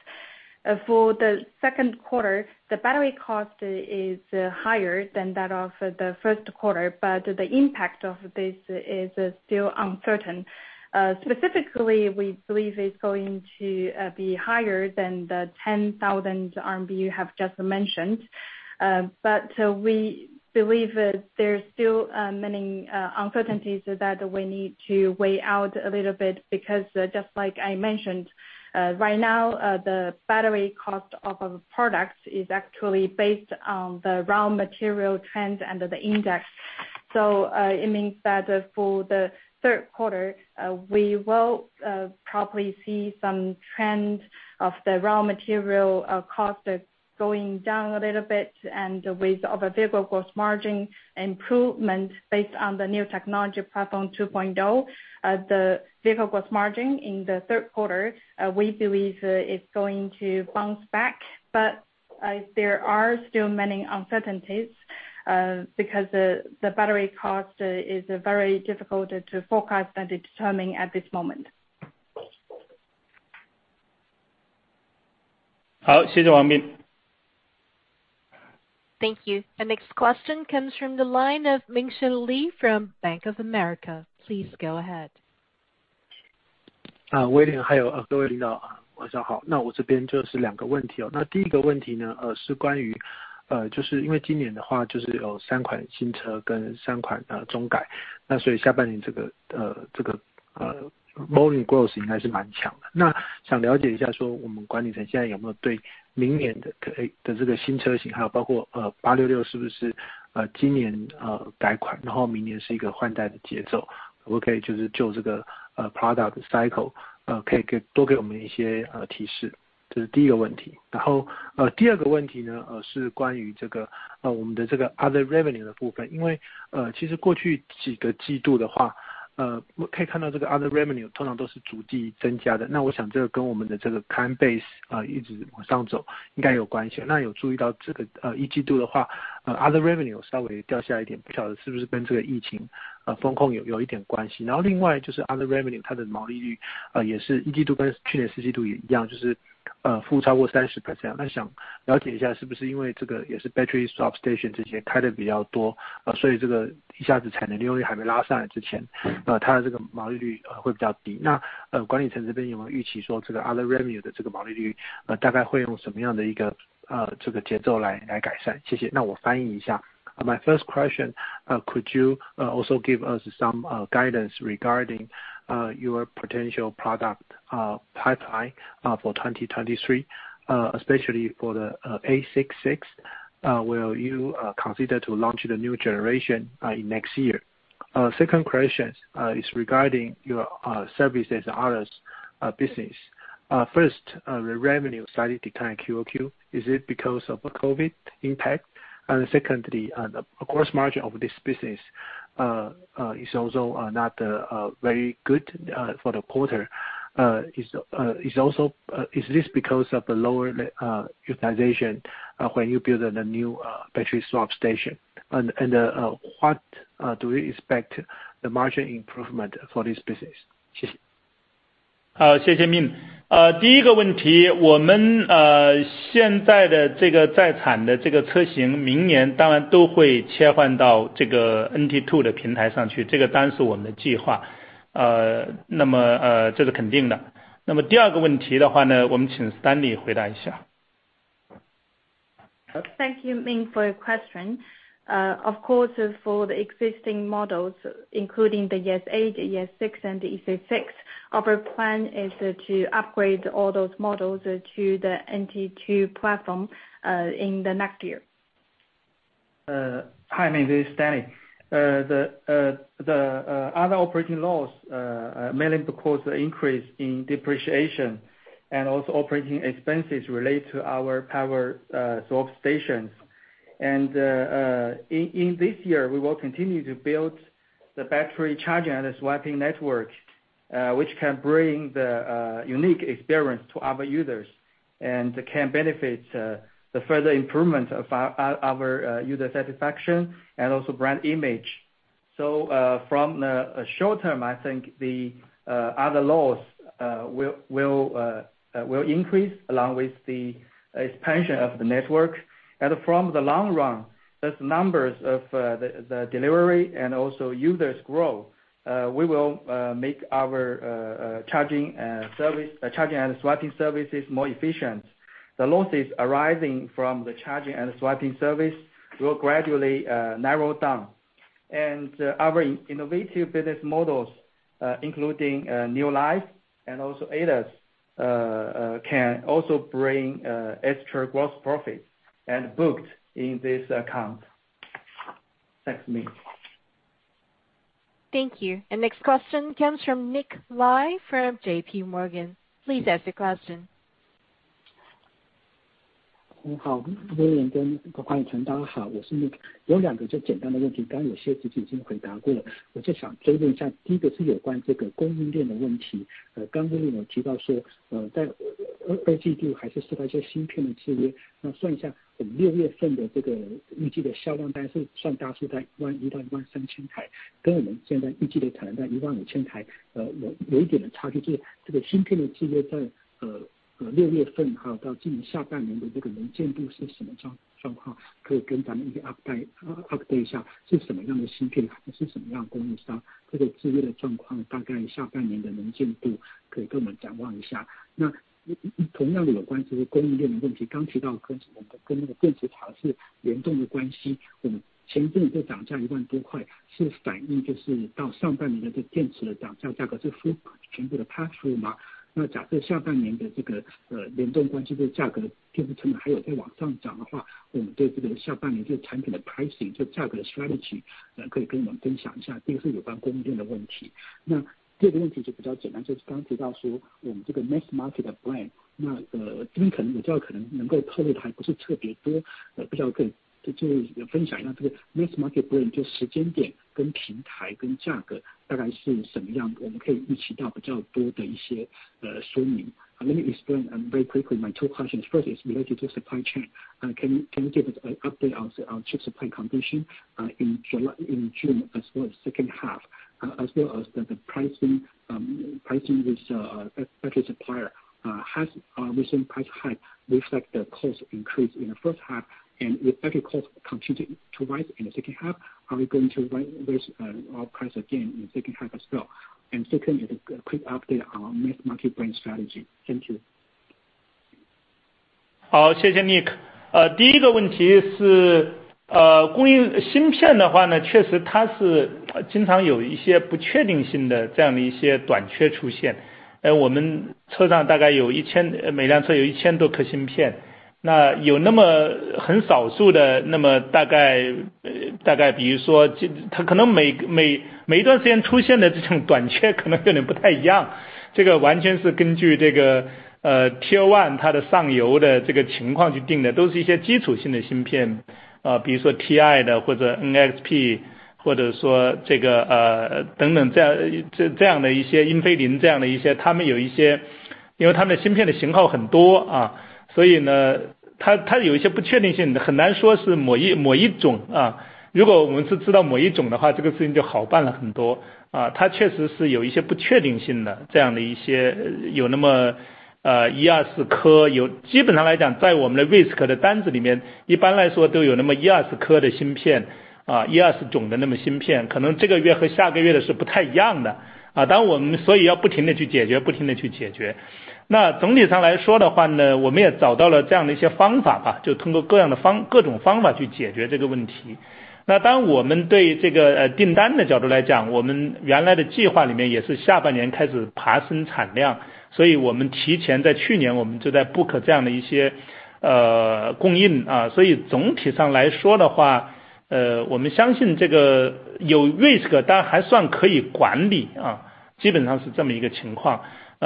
For the second quarter, the battery cost is higher than that of the first quarter, but the impact of this is still uncertain. Specifically, we believe it's going to be higher than the 10,000 RMB you have just mentioned. But we believe that there's still many uncertainties that we need to weigh out a little bit, because just like I mentioned, right now the battery cost of our products is actually based on the raw material trends and the index. It means that for the third quarter, we will probably see some trends of the raw material cost going down a little bit. With our vehicle gross margin improvement based on the NT 2.0, the vehicle gross margin in the third quarter, we believe is going to bounce back. There are still many uncertainties, because the battery cost is very difficult to forecast and determine at this moment. 好，谢谢王敏。Thank you. The next question comes from the line of Ming-Hsun Lee from Bank of America. Please go ahead. William，还有各位领导，晚上好。那我这边就是两个问题，那第一个问题呢，是关于，就是因为今年的话就是有三款新车跟三款中改，那所以下半年这个volume growth应该是蛮强的。那想了解一下，说我们管理层现在有没有对明年的可以的这个新车型，还有包括ES8、ES6、ES6是不是今年改款，然后明年是一个换代的节奏？可不可以就是就这个product cycle，可以给多给我们一些提示？这是第一个问题。然后，第二个问题呢，是关于这个，我们的这个other revenue的部分，因为，其实过去几个季度的话，我可以看到这个other revenue通常都是逐季增加的，那我想这个跟我们的这个client base一直往上走应该有关系，那有注意到这个，一季度的话，other revenue稍微掉下一点，不晓得是不是跟这个疫情封控有一点关系。然后另外就是other revenue它的毛利率，也是一季度跟去年四季度也一样，就是负超过30%。那想了解一下，是不是因为这个也是battery swapping stations之前开的比较多，所以这个一下子产能利用率还没拉上来之前，它的这个毛利率会比较低。那管理层这边有没有预期说这个other revenue的这个毛利率，大概会用什么样的一个，这个节奏来改善？谢谢！那我翻译一下。My first question, could you also give us some guidance regarding your potential product pipeline for 2023, especially for the ES8, ES6, will you consider to launch the new generation in next year? Second question is regarding your services and others business. First, the revenue slightly decline quarter-over-quarter. Is it because of COVID impact? Secondly, of course, margin of this business is also not very good for the quarter. Is this because of the lower utilization when you build a new battery swapping station? What do you expect the margin improvement for this business? Xie xie. 好，谢谢Ming。第一个问题，我们现在的这个在产的车型，明年当然都会切换到NT2的平台上去，这个当然是我们的计划，这是肯定的。那么第二个问题的话呢，我们请Stanley回答一下。Thank you, Ming, for your question. Of course, for the existing models, including the ES8, ES6 and EC6, our plan is to upgrade all those models to the NT2 platform in the next year. Hi Mingxi, this is Stanley. The other operating loss mainly because the increase in depreciation and also operating expenses relate to our battery swap stations. In this year, we will continue to build the battery charging and swapping network, which can bring the unique experience to our users. Can benefit the further improvement of our user satisfaction and also brand image. From the short term, I think the other losses will increase along with the expansion of the network. From the long run, the number of deliveries and also users grow, we will make our charging and swapping services more efficient. The losses arising from the charging and swapping service will gradually narrow down. Our innovative business models, including NIO Life and also ADAS, can also bring extra gross profit and booked in this account. That's me. Thank you. Next question comes from Nick Lai from JPMorgan. Please ask your question. market的plan，那个因为可能我比较可能能够透露的还不是特别多，比较更，就分享一下这个next market plan，就时间点跟平台跟价格大概是什么样，我们可以预期到比较多的一些说明。Let me explain very quickly my two questions. First is related to supply chain. Can you give us an update on chip supply condition in June as well as second half, as well as the pricing with battery supplier? Has the recent price hike reflected the cost increase in the first half and with battery cost continued to rise in the second half? Are we going to raise our price again in second half as well? Second is a quick update on next market brand strategy. Thank you. 谢谢 Nick。第一个问题是，供应芯片的话呢，确实它是经常有一些不确定性的这样的一些短缺出现，我们车上大概有一千，每辆车有一千多颗芯片，那有那么很少数的，大概比如说它可能每一段时间出现的这种短缺可能有点不太一样，这个完全是根据 tier I 它的上游的这个情况去定的，都是一些基础性的芯片，比如说 TI 的，或者 NXP，或者这个 Infineon Technologies 这样的一些，他们有一些，因为他们的芯片的型号很多，所以它有一些不确定性，很难说是某一种。如果我们就知道某一种的话，这个事情就好办了很多，它确实是有一些不确定性的，有那么一二十颗，基本上来讲在我们的 risk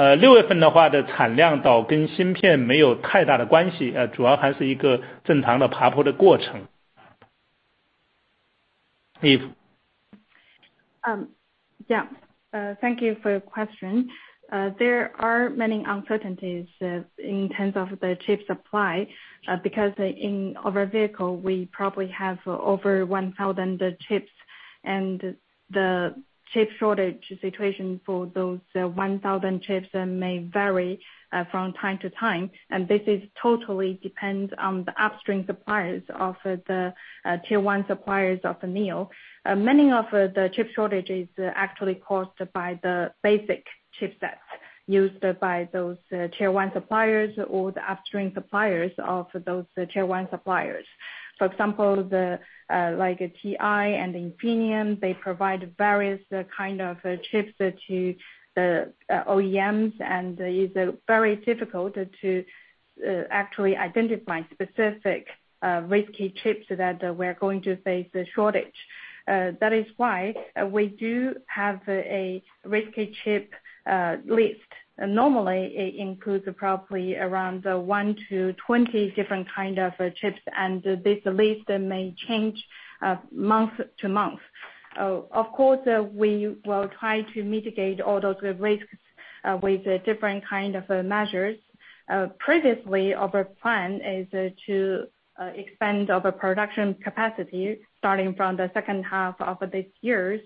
的单子里面，一般来说都有那么一二十种的芯片，可能这个月和下个月的是不太一样的。所以要不停地去解决，不停地去解决。总体上来说的话呢，我们也找到了这样的一些方法吧，就通过各种方法去解决这个问题。从订单的角度来讲，我们原来的计划里面也是下半年开始爬升产量，所以我们提前在去年就在 book 这样的一些供应。所以总体上来说，我们相信这个有 risk，但还算可以管理，基本上是这么一个情况。六月份的话的产量倒跟芯片没有太大的关系，主要还是一个正常的爬坡的过程。Eve。Thank you for your question. There are many uncertainties in terms of the chip supply, because in our vehicle we probably have over 1,000 chips and the chip shortage situation for those 1,000 chips may vary from time to time. This totally depends on the upstream suppliers of the tier I suppliers of NIO. Many of the chip shortages are actually caused by the basic chipsets used by those tier I suppliers or the upstream suppliers of those tier I suppliers. For example, like TI and Infineon, they provide various kind of chips to the OEMs and it's very difficult to actually identify specific risky chips that we are going to face the shortage. That is why we do have a risky chip list. Normally it includes probably around one to 20 different kind of chips, and this list may change month to month. Of course, we will try to mitigate all those risks with different kind of measures. Previously our plan is to expand our production capacity starting from the second half of this year.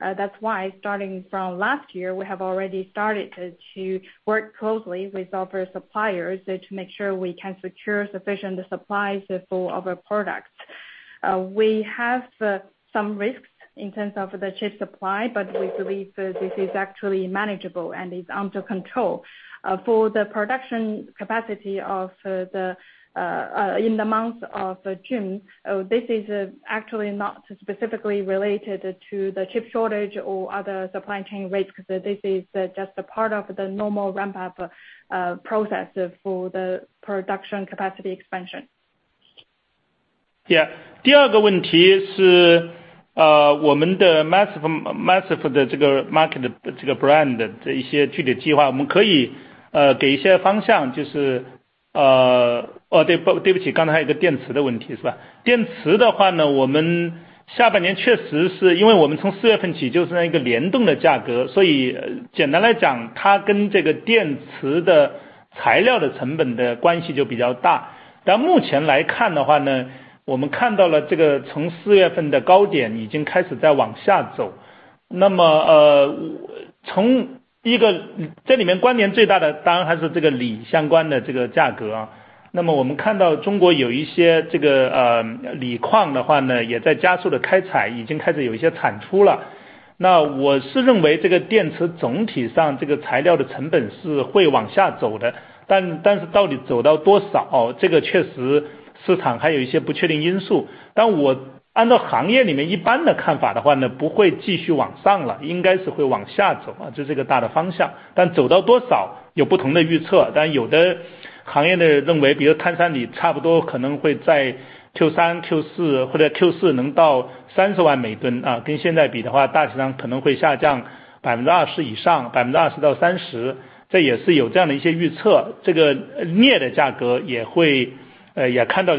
That's why starting from last year, we have already started to work closely with our suppliers to make sure we can secure sufficient supplies for our products. We have some risks in terms of the chip supply, but we believe this is actually manageable and is under control. For the production capacity in the month of June, this is actually not specifically related to the chip shortage or other supply chain risks. This is just a part of the normal ramp up process for the production capacity expansion. Yeah. Regarding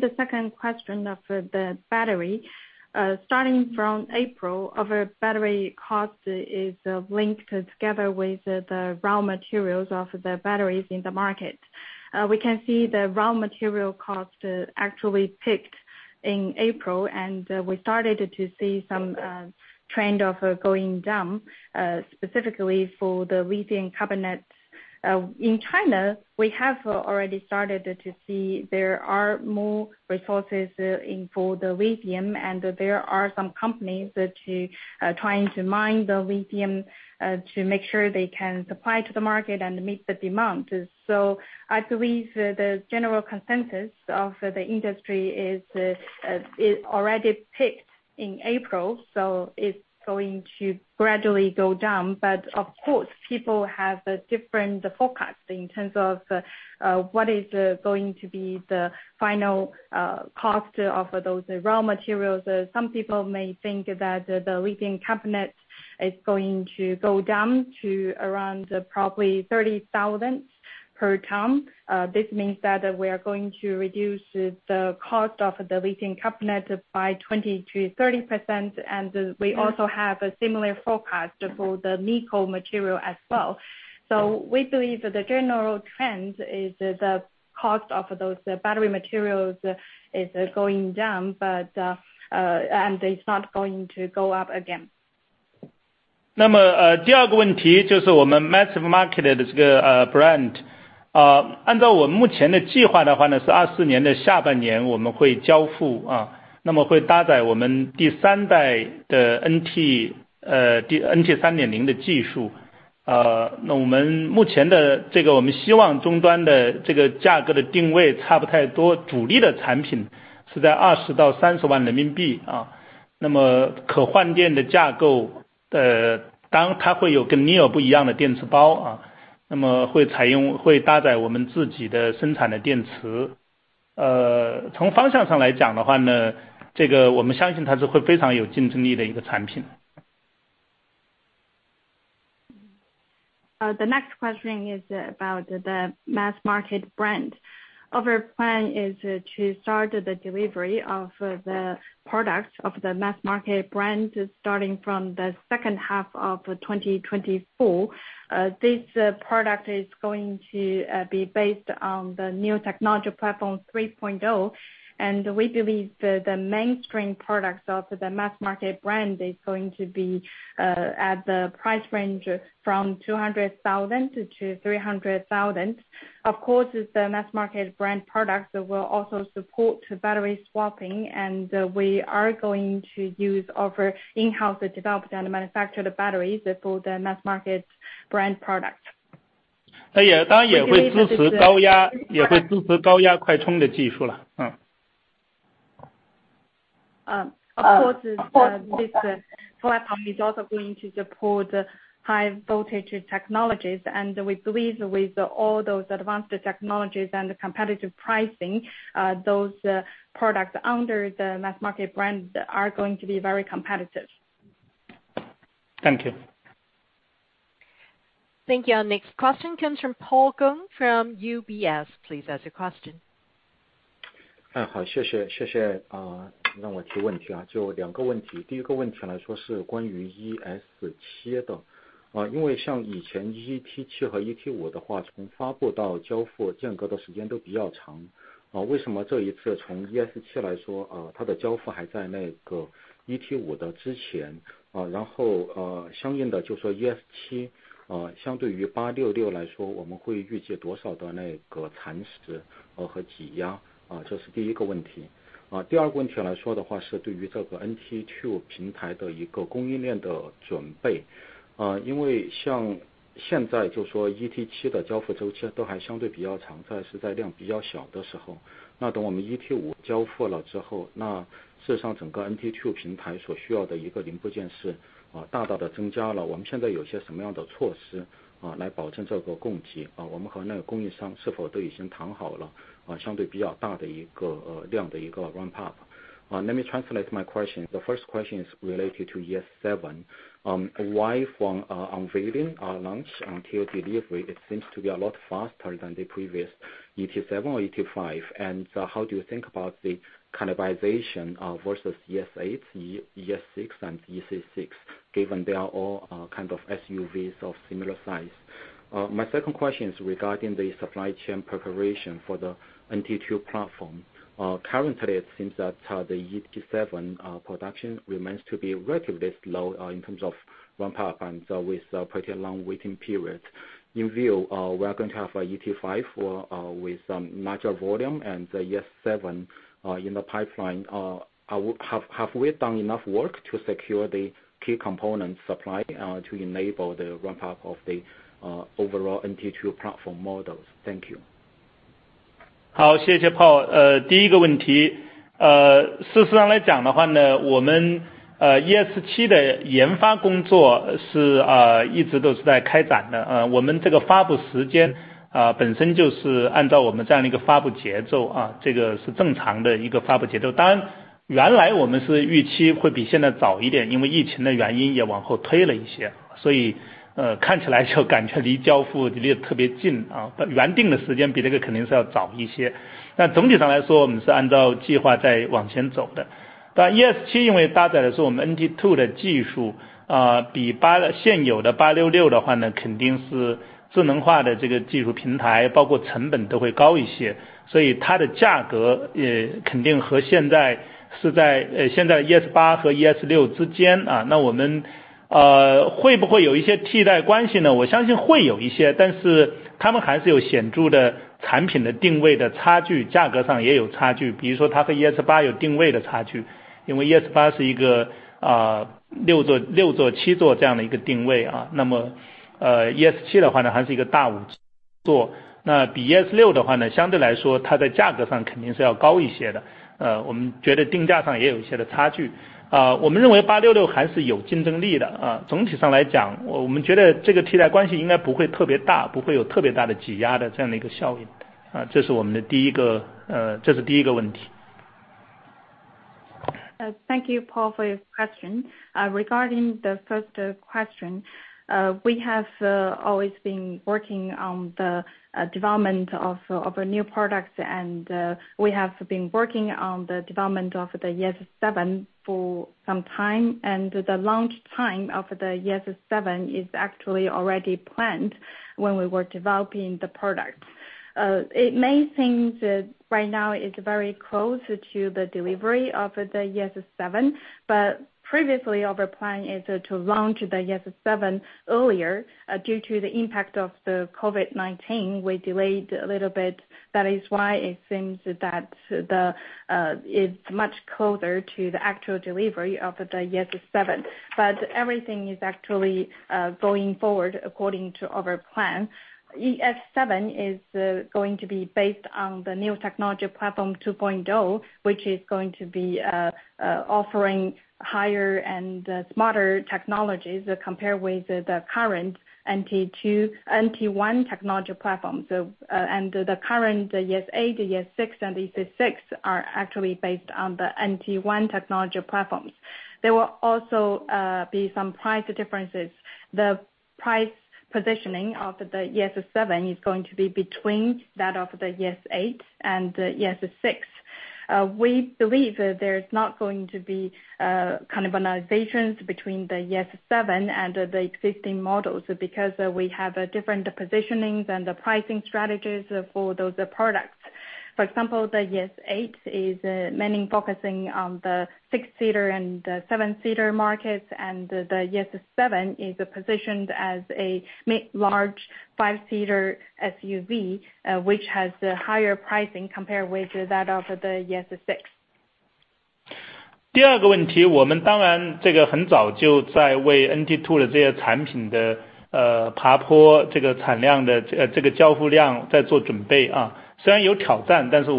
the second question of the battery, starting from April of battery cost is linked together with the raw materials of the batteries in the market. We can see the raw material cost actually peaked in April. We started to see some trend of going down, specifically for the lithium carbonate. In China, we have already started to see there are more resources in for the lithium and there are some companies trying to mine the lithium to make sure they can supply to the market and meet the demand. I believe the general consensus of the industry is, it already peaked in April, so it's going to gradually go down. Of course, people have different forecasts in terms of what is going to be the final cost of those raw materials. Some people may think that the lithium carbonate is going to go down to around probably 30,000 per ton. This means that we are going to reduce the cost of the lithium carbonate by 20% to 30%. We also have a similar forecast for the nickel material as well. We believe the general trend is the cost of those battery materials is going down. It's not going to go up again. The next question is about the mass market brand. Our plan is to start the delivery of the product of the mass market brand starting from the second half of 2024. This product is going to be based on the new technological platform 3.0, and we believe the mainstream products of the mass market brand is going to be at the price range from 200,000 to 300,000. Of course, the mass market brand products will also support battery swapping, and we are going to use our in-house developed and manufactured batteries for the mass market brand product. Of course, this platform is also going to support high voltage technologies. We believe with all those advanced technologies and competitive pricing, those products under the mass market brand are going to be very competitive. Thank you. Thank you. Our next question comes from Paul Gong from UBS. Please ask your question. 2.0平台的一个供应链的准备，因为像现在就说ET7的交付周期都还相对比较长，在是在量比较小的时候，那等我们ET5交付了之后，那事实上整个NT 2.0平台所需要的一个零部件是大大地增加了，我们现在有些什么样的措施来保证这个供给，我们和那个供应商是否都已经谈好了相对比较大的一个量的一个ramp-up。Let me translate my question. The first question is related to ES7. Why from unveiling or launch until delivery, it seems to be a lot faster than the previous ET7 or ET5. How do you think about the cannibalization versus ES8, ES6 and EC6, given they are all kind of SUVs of similar size? My second question is regarding the supply chain preparation for the NT2 platform. Currently it seems that the ET7 production remains to be relatively low in terms of ramp up and with pretty long waiting periods. In view we are going to have ET5 with some larger volume and ES7 in the pipeline. Have we done enough work to secure the key components supply to enable the ramp up of the overall NT2 platform models? Thank you. Thank you, Paul, for your question. Regarding the first question, we have always been working on the development of new products and we have been working on the development of the ES7 for some time, and the launch time of the ES7 is actually already planned when we were developing the product. It may seem that right now it's very close to the delivery of the ES7, but previously our plan is to launch the ES7 earlier. Due to the impact of the COVID-19, we delayed a little bit. That is why it seems that it is much closer to the actual delivery of the ES7. Everything is actually going forward according to our plan. ES7 is going to be based on the new technology platform 2.0, which is going to be offering higher and smarter technologies compared with the current NT2, NT1 technology platform. The current ES8, ES6 and EC6 are actually based on the NT1 technology platforms. There will also be some price differences. The price positioning of the ES7 is going to be between that of the ES8 and ES6. We believe that there's not going to be cannibalizations between the ES7 and the existing models, because we have a different positioning and pricing strategies for those products. For example, the ES8 is mainly focusing on the six-seater and seven-seater markets and the ES7 is positioned as a mid-large five-seater SUV, which has the higher pricing compared with that of the ES6. 第二个问题，我们当然这个很早就在为NT2的这些产品的爬坡，这个产量的，这个交付量在做准备啊。虽然有挑战，但是我们在供应链方面是很早就在做这样的准备了。For the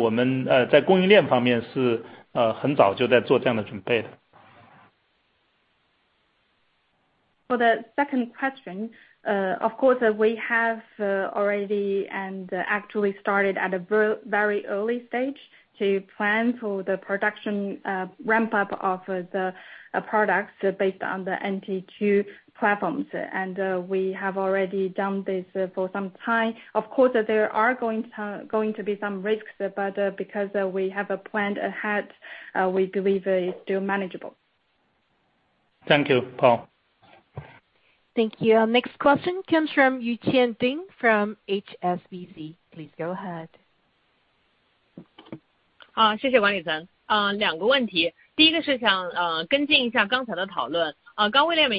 second question, of course, we have already and actually started at a very early stage to plan for the production ramp up of the products based on the NT2 platforms. We have already done this for some time. Of course, there are going to be some risks, but because we have a plan ahead, we believe it's still manageable. Thank you, Paul. Thank you. Next question comes from Yuqian Ding from HSBC. Please go ahead. 谢谢管理层。两个问题。第一个是想跟进一下刚才的讨论，刚刚 William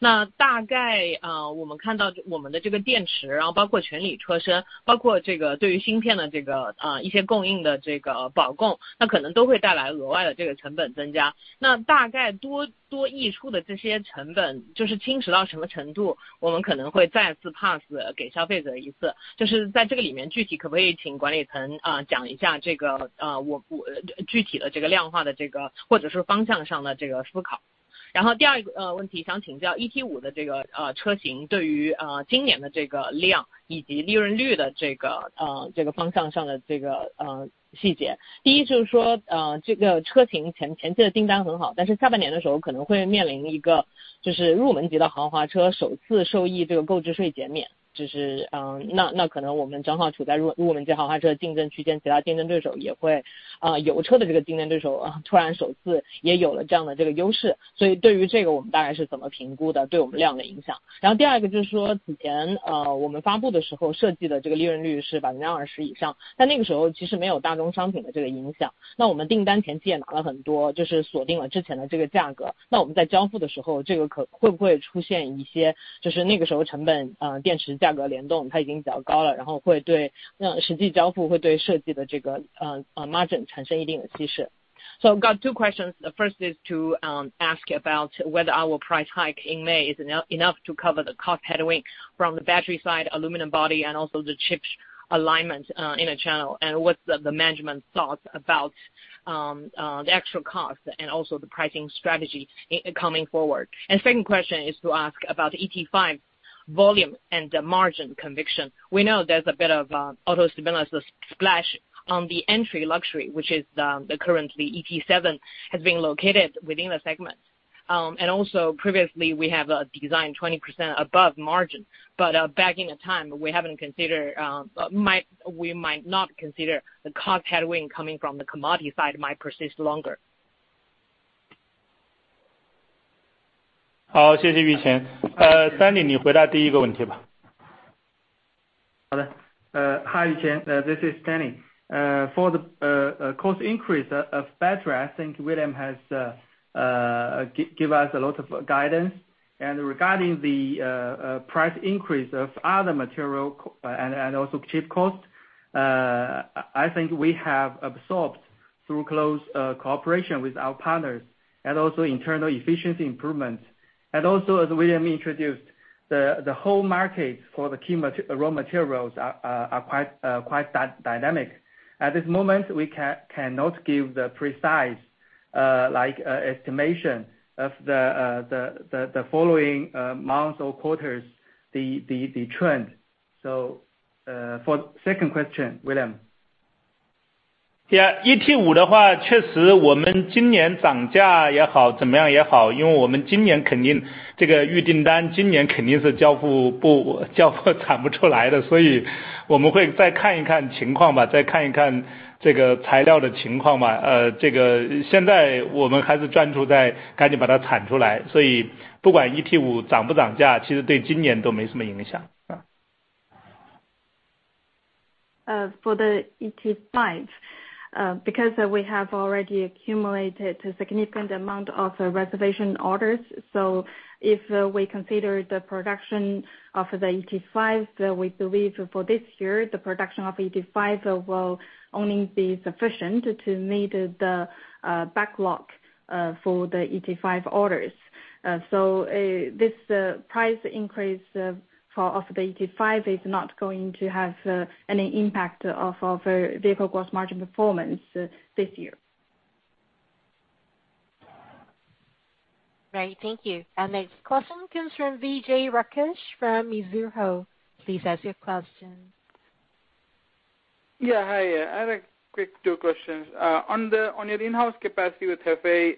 也有提到，就是在涨价覆盖成本上涨的这个方面可能也有一些溢出。我们看到公司的这个定价策略看起来是很克制的，那大概我们看到我们的这个电池，然后包括全铝车身，包括这个对于芯片的一些供应的保供，那可能都会带来额外的这个成本增加，那大概多溢出的这些成本就是侵蚀到什么程度，我们可能会再次 pass 给消费者一次，就是在这个里面，具体可不可以请管理层讲一下这个，具体的量化的或者是方向上的思考。然后第二个问题想请教 ET5 的这个车型，对于今年的这个量以及利润率的这个方向上的细节。第一就是说，这个车型前期的订单很好，但是下半年的时候可能会面临一个就是入门级的豪华车首次受益这个购置税减免，就是那可能我们正好处在入门级豪华车竞争区间，其他竞争对手也会，有车的这个竞争对手，突然首次也有了这样的这个优势，所以对于这个我们大概是怎么评估的，对我们量的影响。然后第二个就是说此前我们发布的时候设计的这个利润率是20%以上，但那个时候其实没有大宗商品的这个影响，那我们订单前期也拿了很多，就是锁定了之前的这个价格，那我们在交付的时候，这个会不会出现一些，就是那个时候成本，电池价格联动它已经比较高了，然后会对，那实际交付会对设计的这个 margin 产生一定的稀释。So, I've got two questions. The first is to ask about whether our price hike in May is enough to cover the cost headwind from the battery side, aluminum body and also the chip shortage in China. What's the management thoughts about the extra cost and also the pricing strategy going forward. Second question is to ask about ET5 volume and the margin conviction. We know there's a bit of a substitutability splash on the entry luxury, which is currently ET7 has been launched within the segment, and also previously we have a design 20% gross margin. Back at the time we haven't considered the cost headwind coming from the commodity side might persist longer. 好，谢谢Yuqian。Stanley你回答第一个问题吧。Hi Yuqian, this is Stanley. For the cost increase of battery, I think William has give us a lot of guidance. Regarding the price increase of other material and also chip cost, I think we have absorbed through close cooperation with our partners and also internal efficiency improvements. As William introduced the whole market for the key raw materials are quite dynamic. At this moment, we cannot give the precise, like, estimation of the following months or quarters the trend. For second question, William. ET5 的话，确实我们今年涨价也好，怎么样也好，因为我们今年肯定这个预订单，今年肯定是交付，不，交付产不出来的，所以我们会再看一看情况吧，再看一看这个材料的情况吧。这个现在我们还是专注在赶紧把它产出来，所以不管 ET5 涨不涨价，其实对今年都没什么影响。For the ET5, because we have already accumulated a significant amount of reservation orders. If we consider the production of the ET5, we believe for this year, the production of ET5 will only be sufficient to meet the backlog for the ET5 orders. This price increase for of the ET5 is not going to have any impact of vehicle gross margin performance this year. Great, thank you. Our next question comes from Vijay Rakesh from Mizuho. Please ask your question. Yeah, hi. I have a quick two questions. On your in-house capacity with Hefei,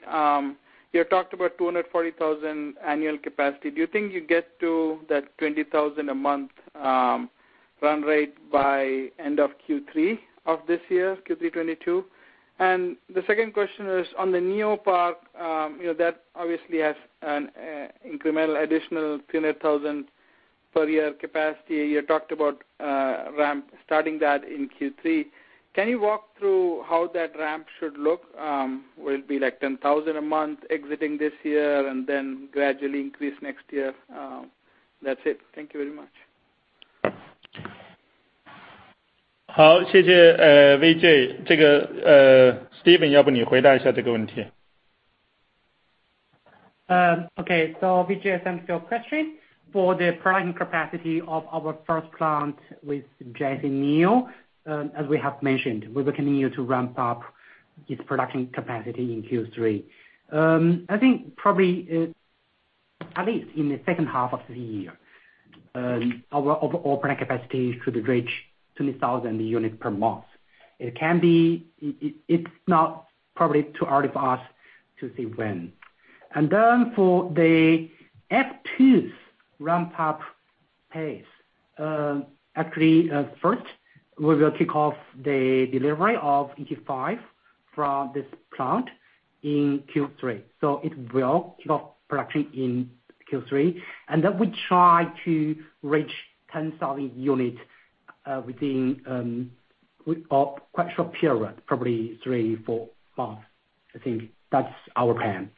you have talked about 240,000 annual capacity. Do you think you get to that 20,000 a month run rate by end of third quarter of this year, third quarter 2022? The second question is on the NeoPark, you know, that obviously has an incremental additional 300,000 per year capacity. You talked about ramp starting that in third quarter. Can you walk through how that ramp should look? Will it be like 10,000 a month exiting this year and then gradually increase next year? That's it. Thank you very much. 谢谢，Vijay。Steven，要不你回答一下这个问题。Okay, Vijay, thanks your question. For the product capacity of our first plant with JAC NIO, as we have mentioned, we will continue to ramp up its production capacity in third quarter. I think probably at least in the second half of the year, and our overall capacity should reach 20,000 units per month. It can be, it's not probably too early for us to say when. For the NT2 ramp up pace, actually first we will kick off the delivery of ET5 from this plant in third quarter, so it will give production in third quarter, and then we try to reach 10,000 units within quite a short period, probably three four months, I think that's our plan.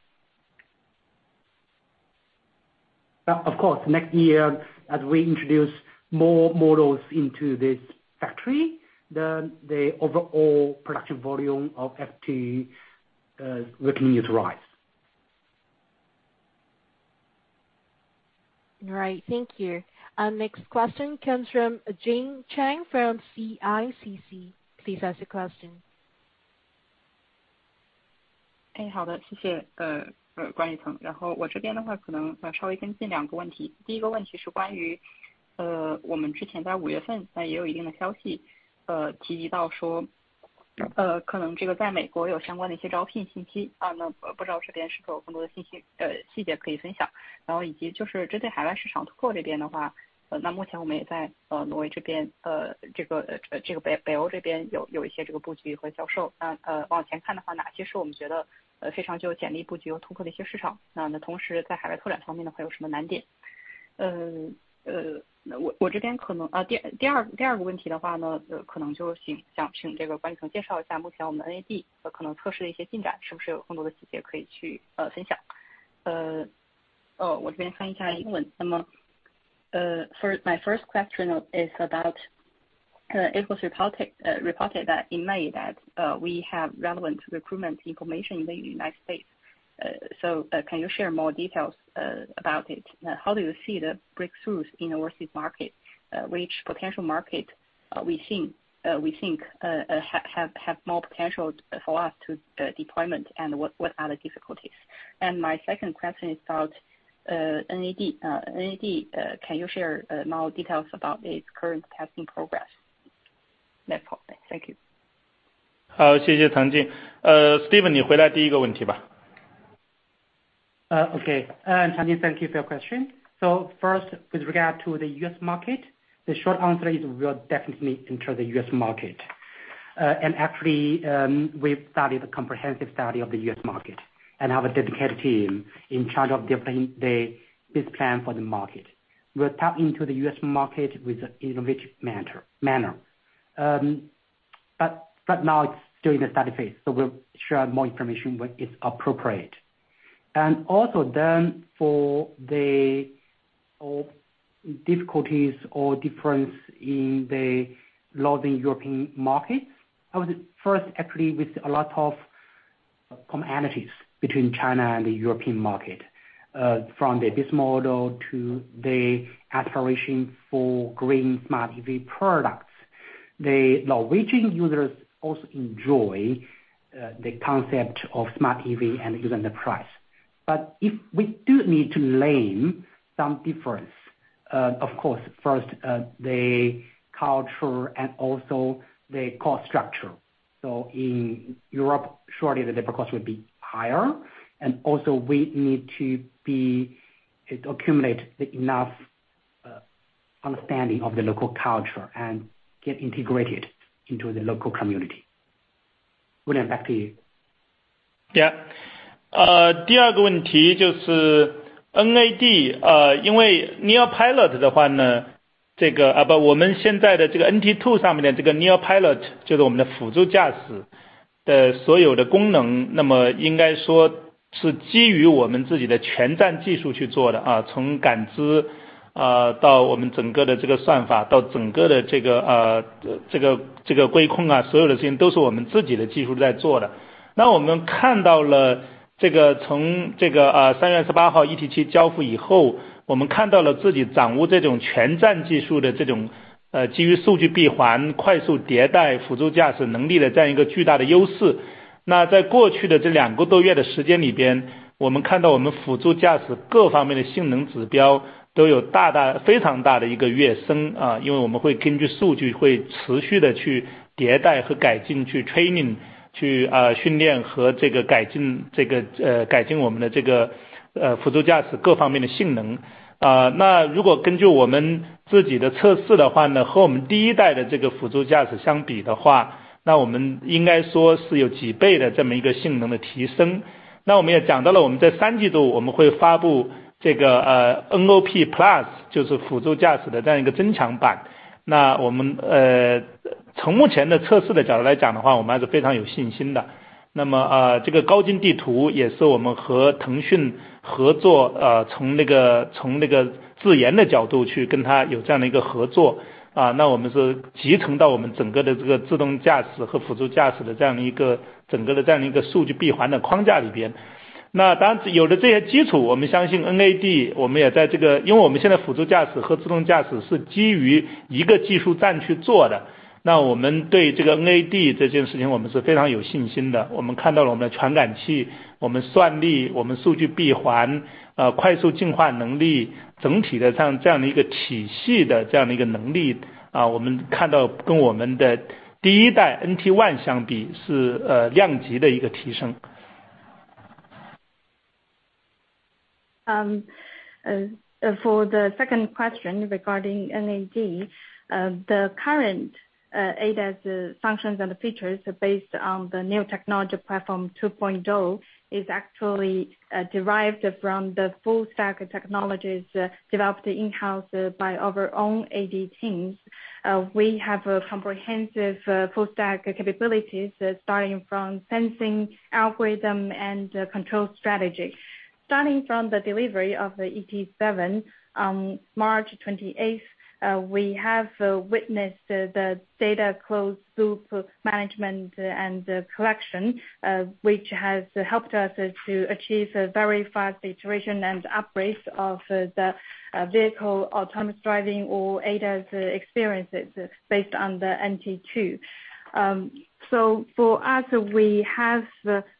Of course, next year, as we introduce more models into this factory, then the overall production volume of ET will continue to rise. All right, thank you. Our next question comes from Jing Chang from CICC. Please ask your question. My first question is about it was reported that in May that we have relevant recruitment information in the United States. So, can you share more details about it? How do you see the breakthroughs in overseas market? Reaching potential market, we think have more potential for us to deployment and what are the difficulties? My second question is about NAD. Can you share more details about its current testing progress? Thank you. 好，谢谢唐静。Steven，你回答第一个问题吧。Jing Chang, thank you for your question. First with regard to the US market, the short answer is we are definitely entering the US market. Actually we've studied a comprehensive study of the US market and have a dedicated team in charge of delivering this plan for the market. We'll tap into the US market with innovative manner. Now it's still in the study phase, so we'll share more information when it's appropriate. For the difficulties or difference in the Norwegian market. First, actually, there are a lot of commonalities between China and the European market, from the business model to the aspiration for green smart EV products. The Norwegian users also enjoy the concept of smart EV and even the price. If we do need to learn some difference, of course, first the culture and also the cost structure. In Europe, surely the labor cost would be higher. We need to accumulate enough understanding of the local culture and get integrated into the local community. William, back to you. 第二个问题就是NAD。因为NIO Pilot的话，我们现在的NT2上面的NIO For the second question regarding NAD, the current ADAS functions and the features based on the new technology platform 2.0 is actually derived from the full stack of technologies developed in-house by our own AD teams. We have a comprehensive full stack capabilities starting from sensing algorithm and control strategy. Starting from the delivery of the ET7, 28 March 2022, we have witnessed the data closed loop management and collection, which has helped us to achieve a very fast iteration and upgrade of the vehicle autonomous driving or ADAS experiences based on the NT2. For us, we have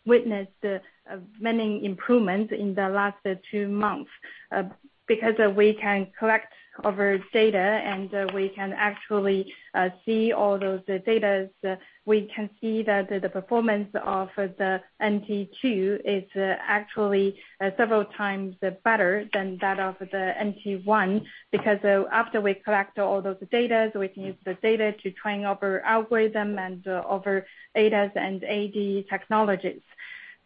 witnessed many improvements in the last two months, because we can collect our data and we can actually see all those data. We can see that the performance of the NT2 is actually several times better than that of the NT1 because after we collect all those data, we can use the data to train our algorithm and our ADAS and AD technologies.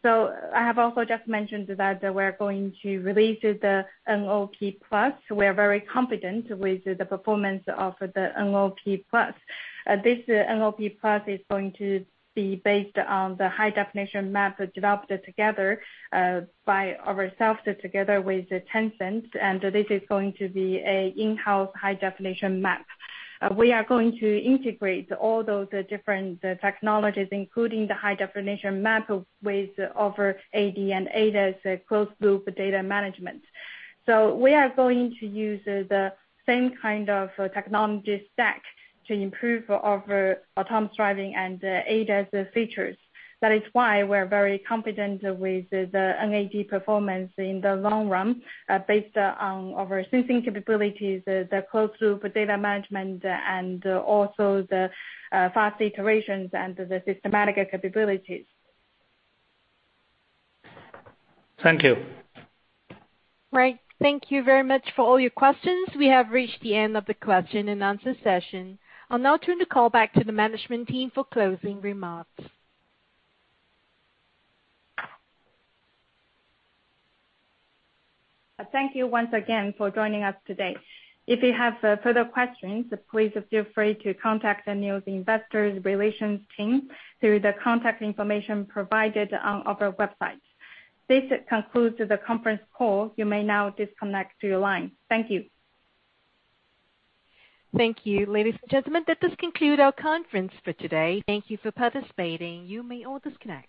I have also just mentioned that we're going to release the NOP Plus. We are very confident with the performance of the NOP Plus. This NOP Plus is going to be based on the high-definition map developed together by ourselves together with Tencent. This is going to be an in-house high-definition map. We are going to integrate all those different technologies, including the high-definition map with our AD and ADAS closed loop data management. We are going to use the same kind of technology stack to improve our autonomous driving and ADAS features. That is why we're very confident with the NAD performance in the long run, based on our sensing capabilities, the closed loop data management, and also the fast iterations and the systematic capabilities. Thank you. Right. Thank you very much for all your questions. We have reached the end of the question-and-answer session. I'll now turn the call back to the management team for closing remarks. Thank you once again for joining us today. If you have further questions, please feel free to contact NIO's investor relations team through the contact information provided on our website. This concludes the conference call. You may now disconnect your line. Thank you. Thank you, ladies and gentlemen. That does conclude our conference for today. Thank you for participating. You may all disconnect.